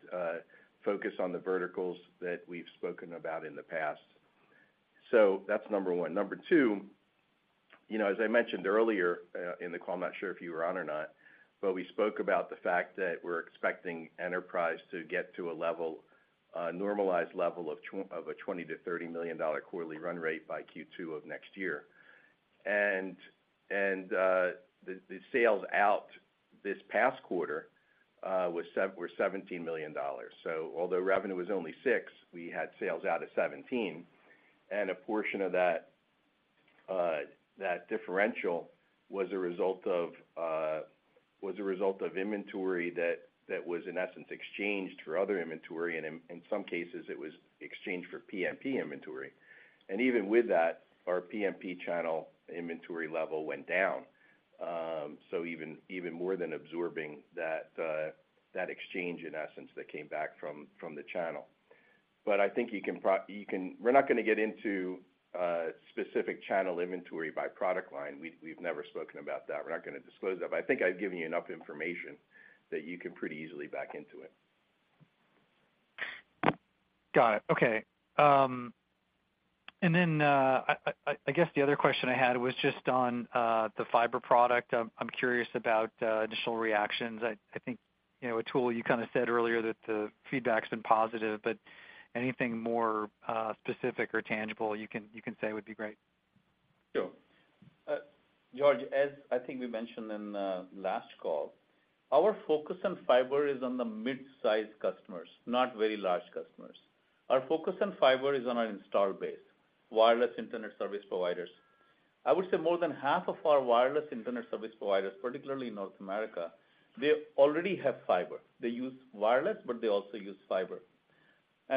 focus on the verticals that we've spoken about in the past. That's number one. Number two, you know, as I mentioned earlier, in the call, I'm not sure if you were on or not, but we spoke about the fact that we're expecting enterprise to get to a level, a normalized level of a $20 million-$30 million quarterly run rate by Q2 of next year. The sales out this past quarter were $17 million. Although revenue was only $6 million, we had sales out of $17 million, and a portion of that differential was a result of inventory that was, in essence, exchanged for other inventory, and in some cases it was exchanged for PMP inventory. Even with that, our PMP channel inventory level went down. Even, even more than absorbing that exchange, in essence, that came back from the channel. I think you can. We're not gonna get into specific channel inventory by product line. We've, we've never spoken about that. We're not gonna disclose that. I think I've given you enough information that you can pretty easily back into it. Got it. Okay, and then, I, I, I guess the other question I had was just on the fiber product. I'm, I'm curious about additional reactions. I, I think, you know, Atul, you kind of said earlier that the feedback's been positive, but anything more specific or tangible you can, you can say would be great? Sure. George, as I think we mentioned in last call, our focus on fiber is on the mid-size customers, not very large customers. Our focus on fiber is on our install base, wireless internet service providers. I would say more than half of our wireless internet service providers, particularly in North America, they already have fiber. They use wireless, but they also use fiber.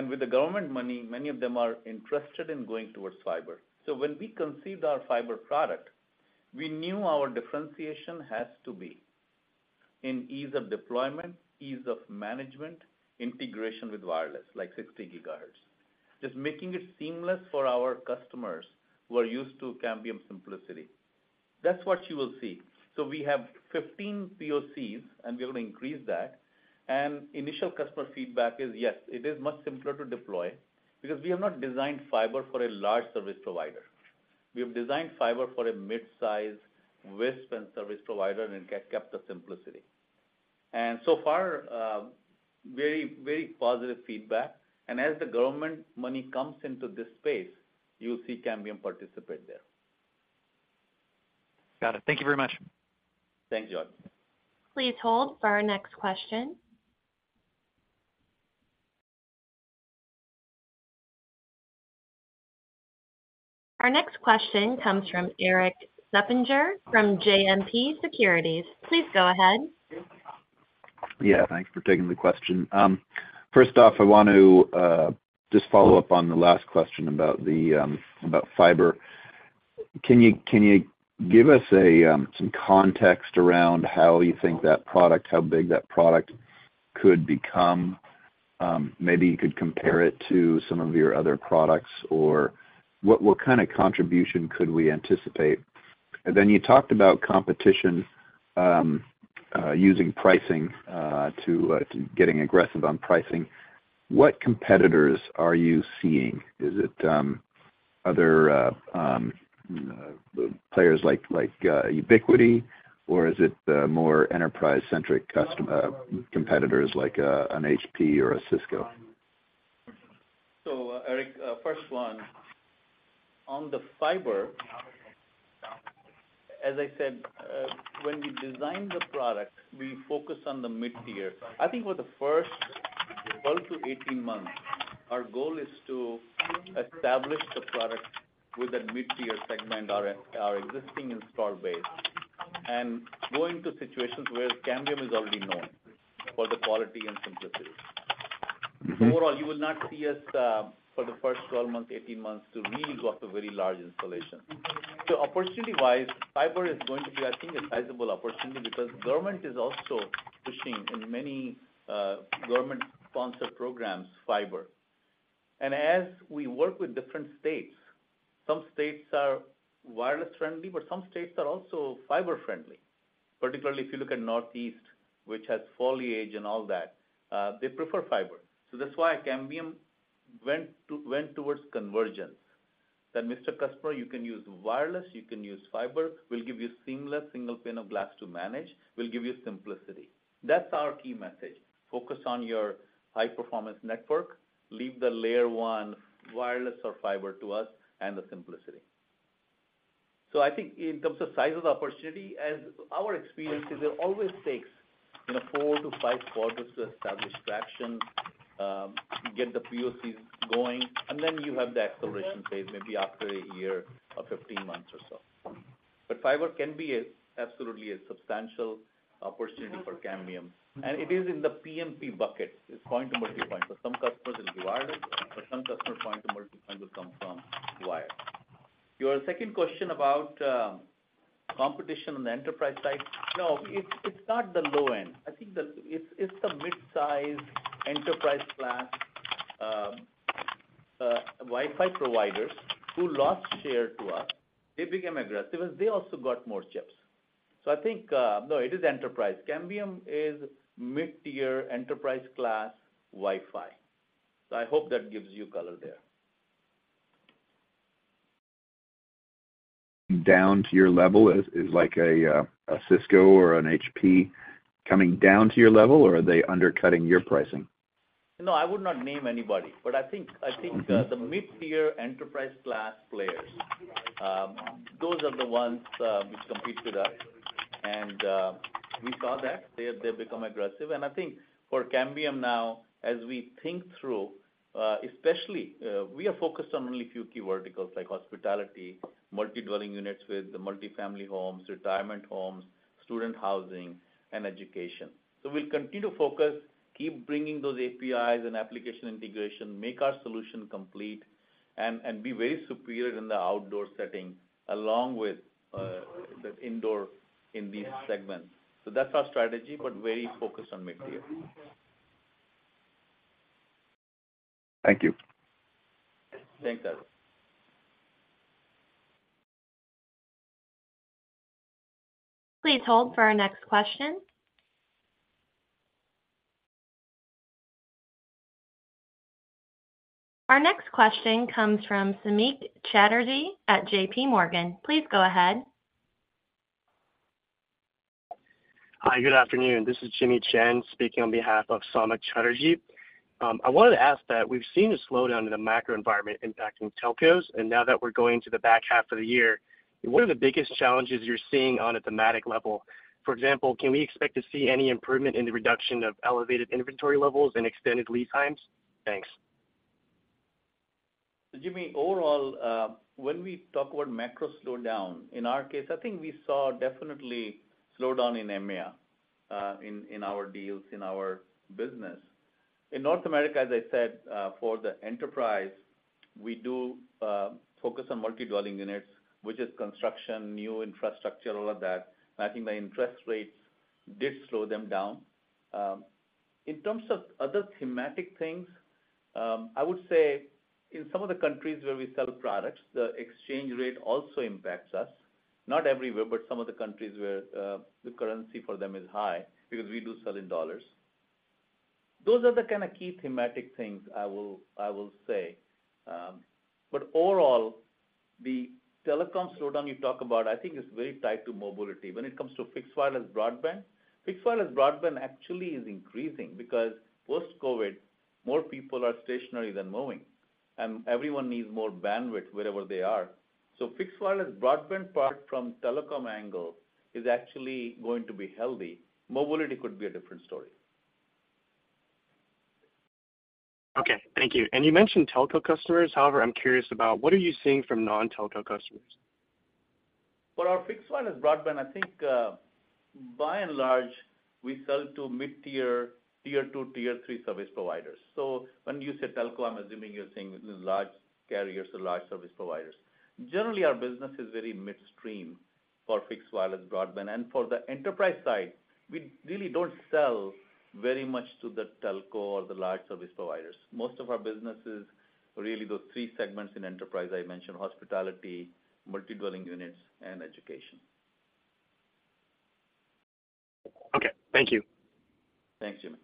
With the government money, many of them are interested in going towards fiber. When we conceived our fiber product, we knew our differentiation has to be in ease of deployment, ease of management, integration with wireless, like 60 GHz. Just making it seamless for our customers who are used to Cambium simplicity. That's what you will see. We have 15 POCs, and we're going to increase that. Initial customer feedback is, yes, it is much simpler to deploy because we have not designed fiber for a large service provider. We have designed fiber for a mid-size WISP and service provider and kept the simplicity. So far, very, very positive feedback. As the government money comes into this space, you'll see Cambium participate there. Got it. Thank you very much. Thanks, George. Please hold for our next question. Our next question comes from Erik Suppiger from JMP Securities. Please go ahead. Yeah, thanks for taking the question. First off, I want to just follow up on the last question about the about fiber. Can you, can you give us a some context around how you think that product, how big that product could become? Maybe you could compare it to some of your other products, or what, what kind of contribution could we anticipate? Then you talked about competition, using pricing to getting aggressive on pricing. What competitors are you seeing? Is it other players like like Ubiquiti, or is it more enterprise-centric custom- competitors, like a an HP or a Cisco? Eric, first one, on the Fiber, as I said, when we design the product, we focus on the mid-tier. I think for the first 12 to 18 months, our goal is to establish the product with that mid-tier segment, our, our existing install base, and go into situations where Cambium is already known for the quality and simplicity. Overall, you will not see us for the first 12 months, 18 months, to really go after very large installation. Opportunity-wise, fiber is going to be, I think, a sizable opportunity because government is also pushing in many government-sponsored programs, fiber. As we work with different states, some states are wireless-friendly, but some states are also fiber-friendly. Particularly if you look at Northeast, which has foliage and all that, they prefer fiber. That's why Cambium went towards convergence. That, Mr. Customer, you can use wireless, you can use fiber. We'll give you seamless single pane of glass to manage. We'll give you simplicity. That's our key message: Focus on your high-performance network, leave the Layer 1 wireless or fiber to us, and the simplicity. I think in terms of size of the opportunity, as our experience is, it always takes, you know, 4-5 quarters to establish traction, get the POC going, and then you have the acceleration phase, maybe after a year or 15 months or so. Fiber can be a, absolutely a substantial opportunity for Cambium, and it is in the PMP bucket. It's Point-to-Multipoint, so some customers will be wired, but some customers Point-to-Multipoint will come from wire. Your second question about competition on the enterprise side, no, it's not the low end. I think the. It's the mid-size enterprise class Wi-Fi providers who lost share to us. They became aggressive, and they also got more chips. I think, no, it is enterprise. Cambium is mid-tier enterprise class Wi-Fi. I hope that gives you color there. Down to your level is like a Cisco or an HP coming down to your level, or are they undercutting your pricing? No, I would not name anybody, but I think. Okay The mid-tier enterprise class players, those are the ones which compete with us. We saw that they, they've become aggressive, and I think for Cambium now, as we think through, especially, we are focused on only a few key verticals like hospitality, multi-dwelling units with the multifamily homes, retirement homes, student housing, and education. We'll continue to focus, keep bringing those APIs and application integration, make our solution complete, and, and be very superior in the outdoor setting, along with the indoor in these segments. That's our strategy, but very focused on mid-tier. Thank you. Thanks, Erik. Please hold for our next question. Our next question comes from Samik Chatterjee at JPMorgan. Please go ahead. Hi, good afternoon. This is Jimmy Chen, speaking on behalf of Samik Chatterjee. I wanted to ask that we've seen a slowdown in the macro environment impacting telcos. Now that we're going to the back half of the year, what are the biggest challenges you're seeing on a thematic level? For example, can we expect to see any improvement in the reduction of elevated inventory levels and extended lead times? Thanks. Jimmy, overall, when we talk about macro slowdown, in our case, I think we saw definitely slowdown in EMEA, in, in our deals, in our business. In North America, as I said, for the enterprise, we do, focus on multi-dwelling units, which is construction, new infrastructure, all of that. I think the interest rates did slow them down. In terms of other thematic things, I would say in some of the countries where we sell products, the exchange rate also impacts us. Not everywhere, but some of the countries where, the currency for them is high because we do sell in dollars. Those are the kind of key thematic things I will, I will say. Overall, the telecom slowdown you talk about, I think is very tied to mobility. When it comes to fixed wireless broadband, fixed wireless broadband actually is increasing because post-COVID, more people are stationary than moving, and everyone needs more bandwidth wherever they are. Fixed wireless broadband, apart from telecom angle, is actually going to be healthy. Mobility could be a different story. Okay, thank you. You mentioned telco customers, however, I'm curious about what are you seeing from non-telco customers? For our Fixed Wireless broadband, I think, by and large, we sell to mid-tier, Tier 2, Tier 3 service providers. So when you say telco, I'm assuming you're saying large carriers or large service providers. Generally, our business is very midstream for fixed wireless broadband. And for the enterprise side, we really don't sell very much to the telco or the large service providers. Most of our business is really those three segments in enterprise I mentioned, hospitality, multi-dwelling units, and education. Okay, thank you. Thanks, Jimmy.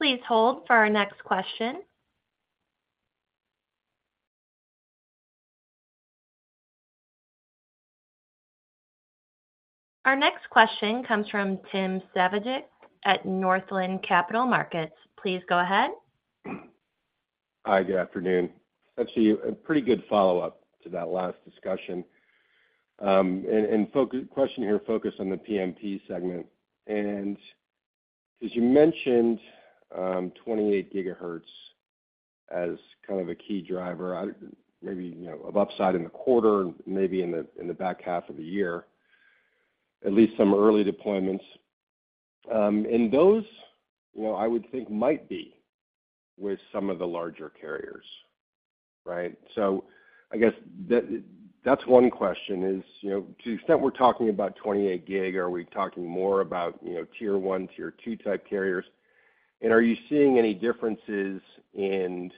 Please hold for our next question. Our next question comes from Tim Savageaux at Northland Capital Markets. Please go ahead. Hi, good afternoon. Actually, a pretty good follow-up to that last discussion. Question here, focus on the PMP segment. As you mentioned, 28 GHz as kind of a key driver, you know, of upside in the quarter, maybe in the, in the back half of the year, at least some early deployments. Those, you know, I would think might be with some of the larger carriers, right? I guess that, that's one question is, you know, to the extent we're talking about 28 GHz, are we talking more about, you know, Tier 1, Tier 2 type carriers? Are you seeing any differences in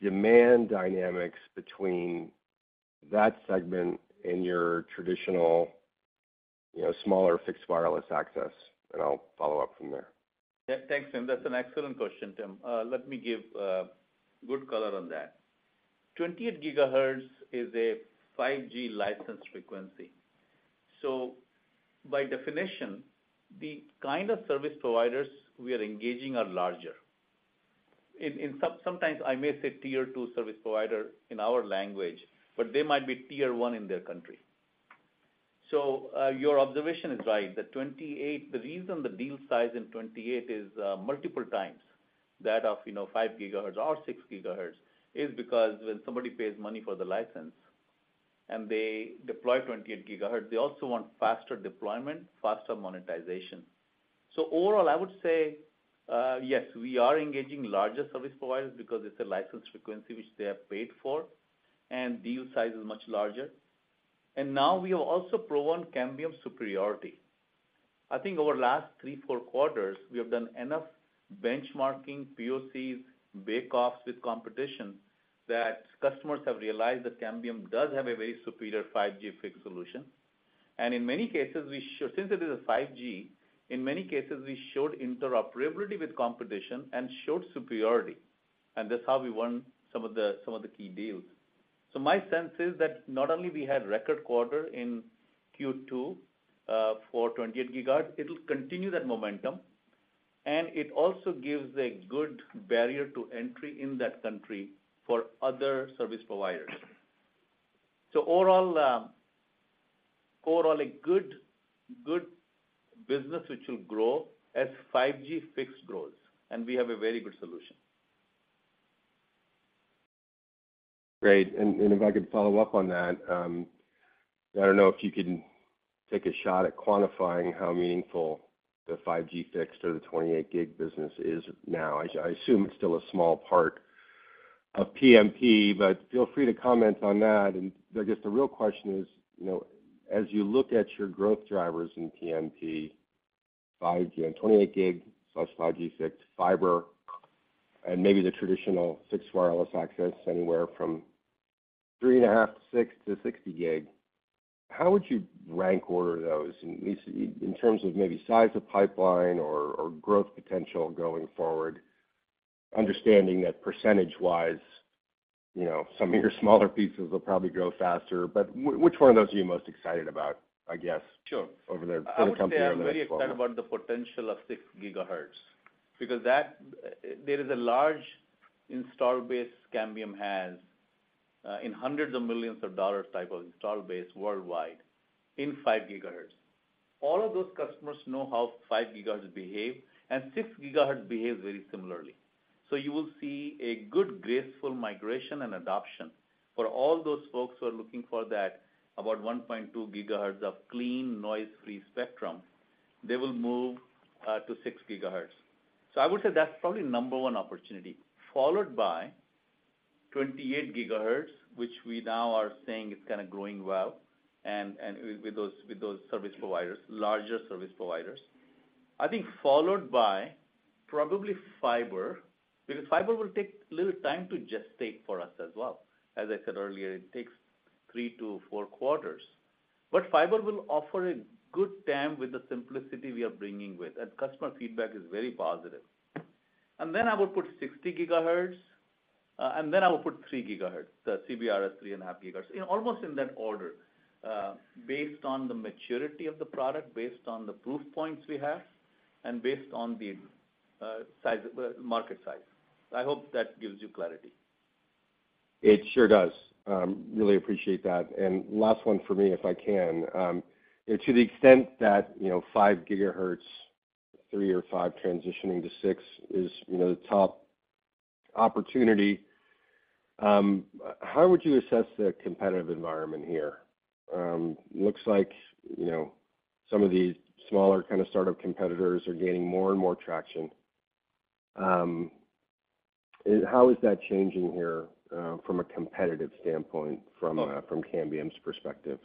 demand dynamics between that segment and your traditional, you know, smaller fixed wireless access? I'll follow-up from there. Yeah. Thanks, Tim. That's an excellent question, Tim. Let me give good color on that. 28 GHz is a 5G licensed frequency. By definition, the kind of service providers we are engaging are larger. Sometimes I may say Tier 2 service provider in our language, but they might be Tier 1 in their country. Your observation is right, the 28 GHz, the reason the deal size in 28 GHz is multiple times that of, you know, 5 GHz or 6 GHz, is because when somebody pays money for the license and they deploy 28 GHz, they also want faster deployment, faster monetization. Overall, I would say, yes, we are engaging larger service providers because it's a licensed frequency, which they have paid for, and deal size is much larger. Now we have also proven Cambium superiority. I think over the last 3, 4 quarters, we have done enough benchmarking, POCs, bake-offs with competition, that customers have realized that Cambium does have a very superior 5G Fixed solution. In many cases, Since it is a 5G, in many cases, we showed interoperability with competition and showed superiority, and that's how we won some of the, some of the key deals. My sense is that not only we had record quarter in Q2 for 28 GHz, it will continue that momentum, and it also gives a good barrier to entry in that country for other service providers. Overall, overall, a good, good business, which will grow as 5G Fixed grows, and we have a very good solution. Great. If I could follow-up on that, I don't know if you can take a shot at quantifying how meaningful the 5G fixed or the 28 GHz business is now. I assume it's still a small part of PMP, but feel free to comment on that. I guess the real question is, you know, as you look at your growth drivers in PMP, 5G and 28 GHz, plus 5G fixed, fiber, and maybe the traditional fixed wireless access, anywhere from 3.5 GHz to 6 GHz to 60 GHz, how would you rank order those, at least in terms of maybe size of pipeline or, or growth potential going forward? Understanding that percentage-wise, you know, some of your smaller pieces will probably grow faster, but which one of those are you most excited about, I guess. Sure. Over the, for the company? I would say I'm very excited about the potential of 6 GHz, because that, there is a large install base Cambium has, in hundreds of millions dollar type of install base worldwide in 5 GHz. All of those customers know how 5 GHz behave, and 6 GHz behaves very similarly. You will see a good, graceful migration and adoption for all those folks who are looking for that, about 1.2 GHz of clean, noise-free spectrum, they will move to 6 GHz. I would say that's probably number one opportunity, followed by 28 GHz, which we now are seeing it's kind of growing well, and with those, with those service providers, larger service providers. I think followed by probably fiber, because fiber will take a little time to gestate for us as well. As I said earlier, it takes 3 to 4 quarters. Fiber will offer a good TAM with the simplicity we are bringing with, and customer feedback is very positive. Then I would put 60 GHz, then I would put 3 GHz, the CBRS 3.5 GHz, in almost in that order, based on the maturity of the product, based on the proof points we have and based on the size, market size. I hope that gives you clarity. It sure does. Really appreciate that. Last one for me, if I can. To the extent that, you know, 5 GHz, 3 GHz or 5 GHz transitioning to 6 GHz is, you know, the top opportunity, how would you assess the competitive environment here? Looks like, you know, some of these smaller kind of startup competitors are gaining more and more traction. How is that changing here, from a competitive standpoint, from Cambium's perspective?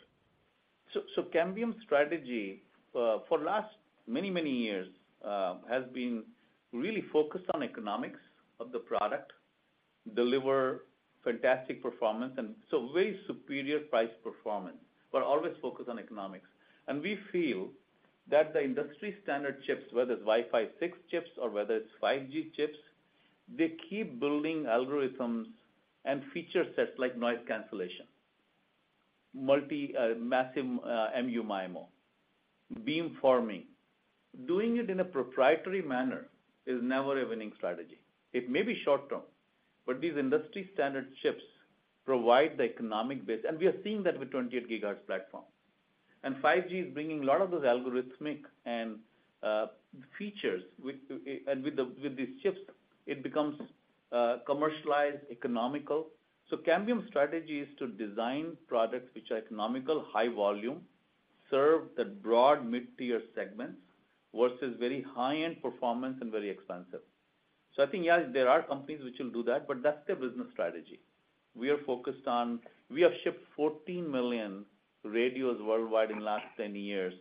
Cambium's strategy for last many, many years has been really focused on economics of the product, deliver fantastic performance, and so very superior price performance, but always focus on economics. We feel that the industry standard chips, whether it's Wi-Fi 6 chips or whether it's 5G chips, they keep building algorithms and feature sets like noise cancellation, multi, massive, MU-MIMO, beamforming. Doing it in a proprietary manner is never a winning strategy. It may be short-term, but these industry standard chips provide the economic base, and we are seeing that with 28 GHz platform. 5G is bringing a lot of those algorithmic and features with these chips, it becomes commercialized, economical. Cambium's strategy is to design products which are economical, high volume, serve the broad mid-tier segments versus very high-end performance and very expensive. I think, yes, there are companies which will do that, but that's their business strategy. We have shipped 14 million radios worldwide in the last 10 years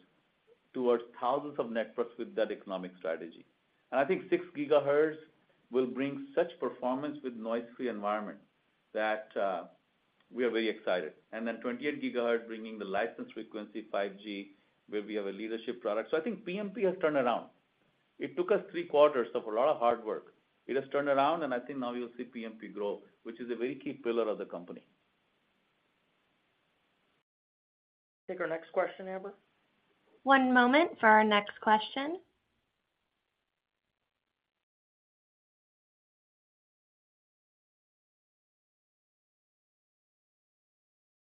towards thousands of networks with that economic strategy. I think 6 GHz will bring such performance with noise-free environment that we are very excited. Then 28 GHz bringing the license frequency, 5G, where we have a leadership product. I think PMP has turned around. It took us 3 quarters of a lot of hard work. It has turned around, and I think now you'll see PMP grow, which is a very key pillar of the company. Take our next question, Amber? One moment for our next question.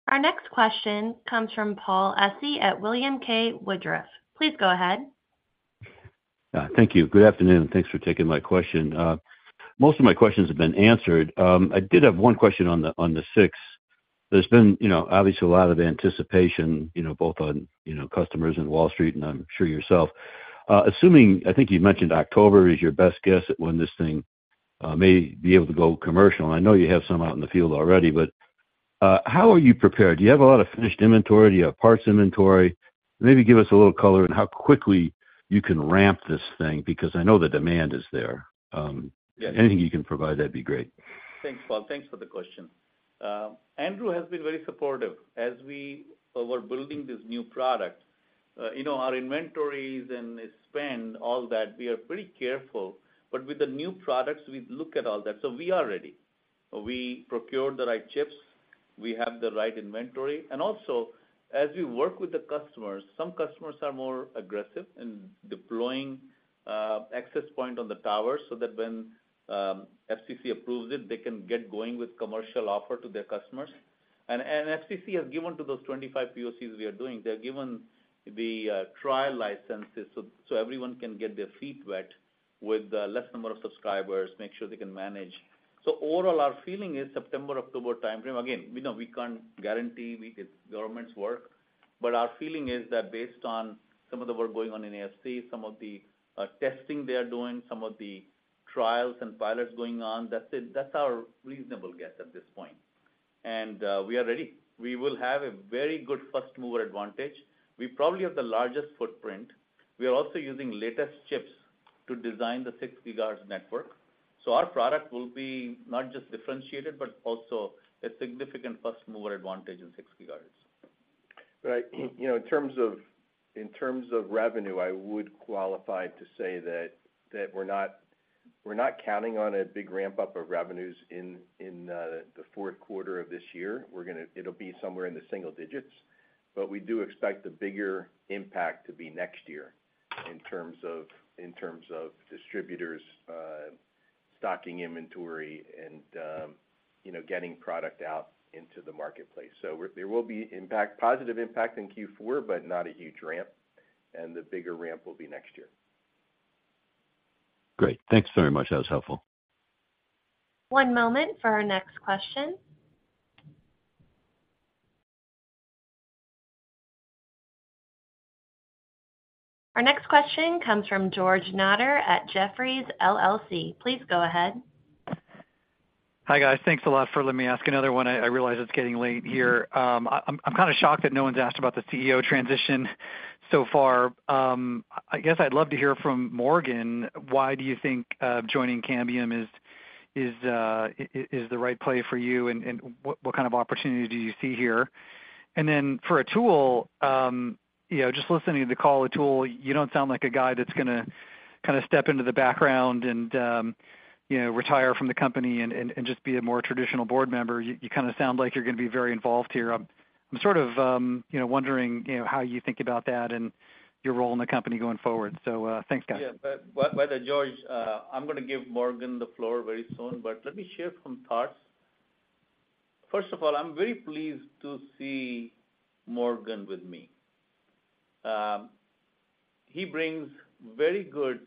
Our next question comes from Paul Essi at William K. Woodruff. Please go ahead. Thank you. Good afternoon, and thanks for taking my question. Most of my questions have been answered. I did have one question on the, on the 6 GHz. There's been, you know, obviously a lot of anticipation, you know, both on, you know, customers and Wall Street, and I'm sure yourself. Assuming, I think you mentioned October is your best guess at when this thing may be able to go commercial. I know you have some out in the field already, but how are you prepared? Do you have a lot of finished inventory? Do you have parts inventory? Maybe give us a little color on how quickly you can ramp this thing, because I know the demand is there. Yes. Anything you can provide, that'd be great. Thanks, Paul. Thanks for the question. Andrew has been very supportive as we were building this new product. You know, our inventories and spend, all that, we are pretty careful. With the new products, we look at all that. We are ready. We procured the right chips, we have the right inventory, and also, as we work with the customers, some customers are more aggressive in deploying access point on the tower so that when FCC approves it, they can get going with commercial offer to their customers. FCC has given to those 25 POCs we are doing, they have given the trial licenses, so everyone can get their feet wet with a less number of subscribers, make sure they can manage. Overall, our feeling is September, October timeframe. Again, we know we can't guarantee, we get government's work, but our feeling is that based on some of the work going on in FCC, some of the testing they are doing, some of the trials and pilots going on, that's our reasonable guess at this point. We are ready. We will have a very good first-mover advantage. We probably have the largest footprint. We are also using latest chips to design the 6 GHz network. Our product will be not just differentiated, but also a significant first-mover advantage in 6 GHz. Right. You know, in terms of, in terms of revenue, I would qualify to say that, that we're not, we're not counting on a big ramp-up of revenues in, in the fourth quarter of this year. It'll be somewhere in the single-digits, but we do expect the bigger impact to be next year in terms of, in terms of distributors, stocking inventory and, you know, getting product out into the marketplace. There will be impact, positive impact in Q4, but not a huge ramp, and the bigger ramp will be next year. Great. Thanks very much. That was helpful. One moment for our next question. Our next question comes from George Notter at Jefferies LLC. Please go ahead. Hi, guys. Thanks a lot for letting me ask another one. I, I realize it's getting late here. I'm, I'm kind of shocked that no one's asked about the CEO transition so far. I guess I'd love to hear from Morgan, why do you think joining Cambium is, is, is, is the right play for you, and, and what, what kind of opportunity do you see here? Then for Atul, you know, just listening to the call, Atul, you don't sound like a guy that's gonna kind of step into the background and, you know, retire from the company and, and, and just be a more traditional board member. You, you kind of sound like you're going to be very involved here. I'm sort of, you know, wondering, you know, how you think about that and your role in the company going forward. Thanks, guys. Yeah. By the George, I'm going to give Morgan the floor very soon, but let me share some thoughts. First of all, I'm very pleased to see Morgan with me. He brings very good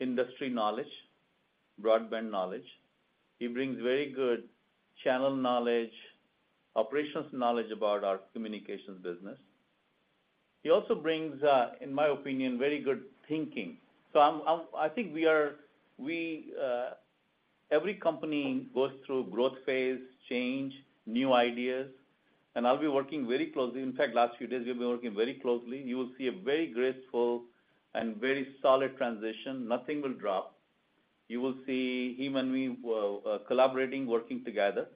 industry knowledge, broadband knowledge. He brings very good channel knowledge, operations knowledge about our communications business. He also brings, in my opinion, very good thinking. I think we are. We, every company goes through growth phase, change, new ideas, and I'll be working very closely. In fact, last few days, we've been working very closely. You will see a very graceful and very solid transition. Nothing will drop. You will see him and me, well, collaborating, working together.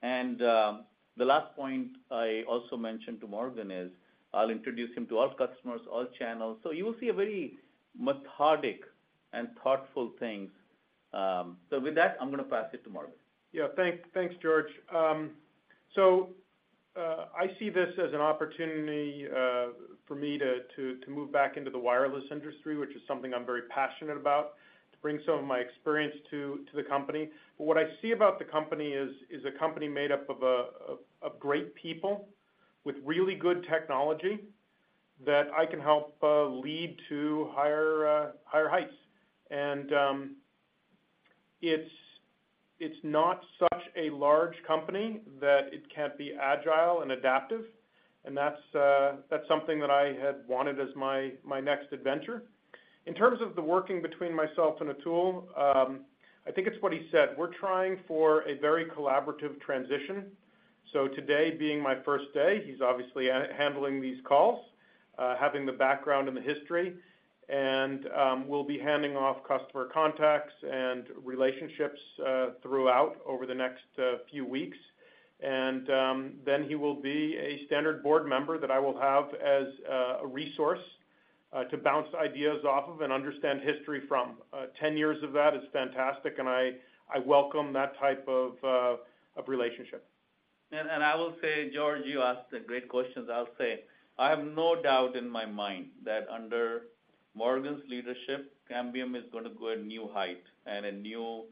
The last point I also mentioned to Morgan is, I'll introduce him to all customers, all channels, so you will see a very methodic and thoughtful things. With that, I'm gonna pass it to Morgan. Yeah, thank, thanks, George. I see this as an opportunity for me to move back into the wireless industry, which is something I'm very passionate about, to bring some of my experience to the company. What I see about the company is a company made up of great people with really good technology that I can help lead to higher higher heights. It's not such a large company that it can't be agile and adaptive, and that's something that I had wanted as my next adventure. In terms of the working between myself and Atul, I think it's what he said, we're trying for a very collaborative transition. Today, being my first day, he's obviously handling these calls, having the background and the history. We'll be handing off customer contacts and relationships throughout, over the next few weeks. Then he will be a standard Board member that I will have as a resource to bounce ideas off of and understand history from. 10 years of that is fantastic, and I, I welcome that type of relationship. I will say, George, you asked a great question. I'll say, I have no doubt in my mind that under Morgan's leadership, Cambium is gonna go a new height and a new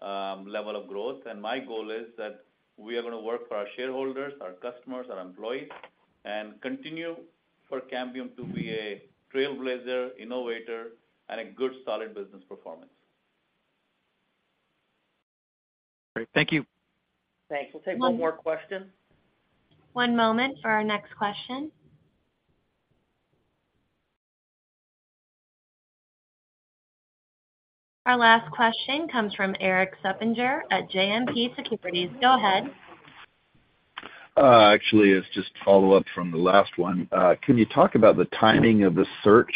level of growth. My goal is that we are gonna work for our shareholders, our customers, our employees, and continue for Cambium to be a trailblazer, innovator, and a good, solid business performance. Great. Thank you. Thanks. We'll take one more question. One moment for our next question. Our last question comes from Erik Suppiger at JMP Securities. Go ahead. Actually, it's just a follow-up from the last one. Can you talk about the timing of the search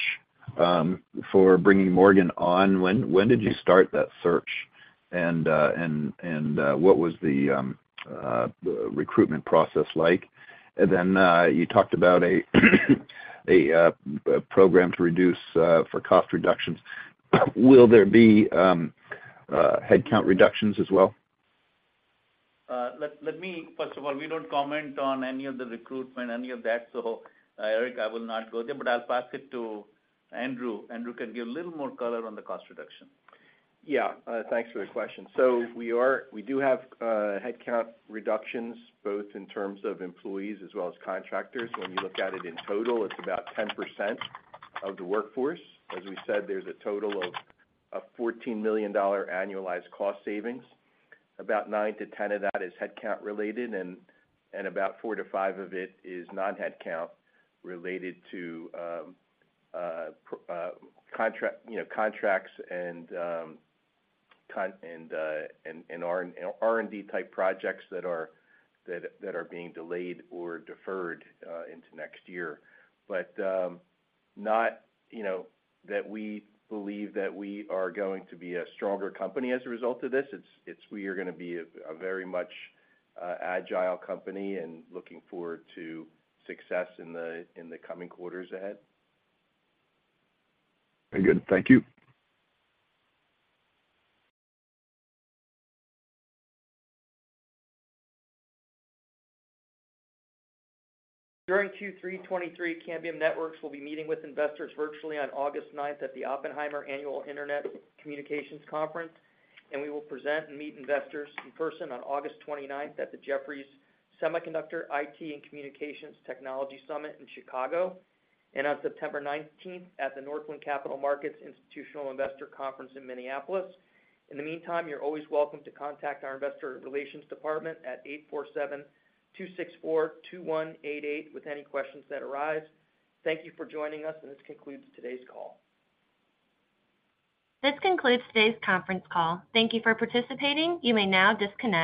for bringing Morgan on? When, when did you start that search? What was the recruitment process like? Then you talked about a program to reduce for cost reductions. Will there be headcount reductions as well? Let me first of all, we don't comment on any of the recruitment, any of that. Erik, I will not go there, but I'll pass it to Andrew. Andrew can give a little more color on the cost reduction. Yeah, thanks for the question. We are, we do have headcount reductions, both in terms of employees as well as contractors. When you look at it in total, it's about 10% of the workforce. As we said, there's a total of, of $14 million annualized cost savings. About 95-10% of that is headcount related, and, and about 4%-5%of it is non-headcount, related to contract, you know, contracts and R&D type projects that are being delayed or deferred into next year. Not, you know, that we believe that we are going to be a stronger company as a result of this. It's we are gonna be a very much agile company and looking forward to success in the coming quarters ahead. Very good. Thank you. During Q3 2023, Cambium Networks will be meeting with investors virtually on August 9th, at the Oppenheimer Annual Internet Communications Conference. We will present and meet investors in person on August 29th at the Jefferies Semiconductor, IT, and Communications Technology Summit in Chicago. On September 19th, at the Northland Capital Markets Institutional Investor Conference in Minneapolis. In the meantime, you're always welcome to contact our investor relations department at 847-264-2188, with any questions that arise. Thank you for joining us. This concludes today's call. This concludes today's conference call. Thank you for participating. You may now disconnect.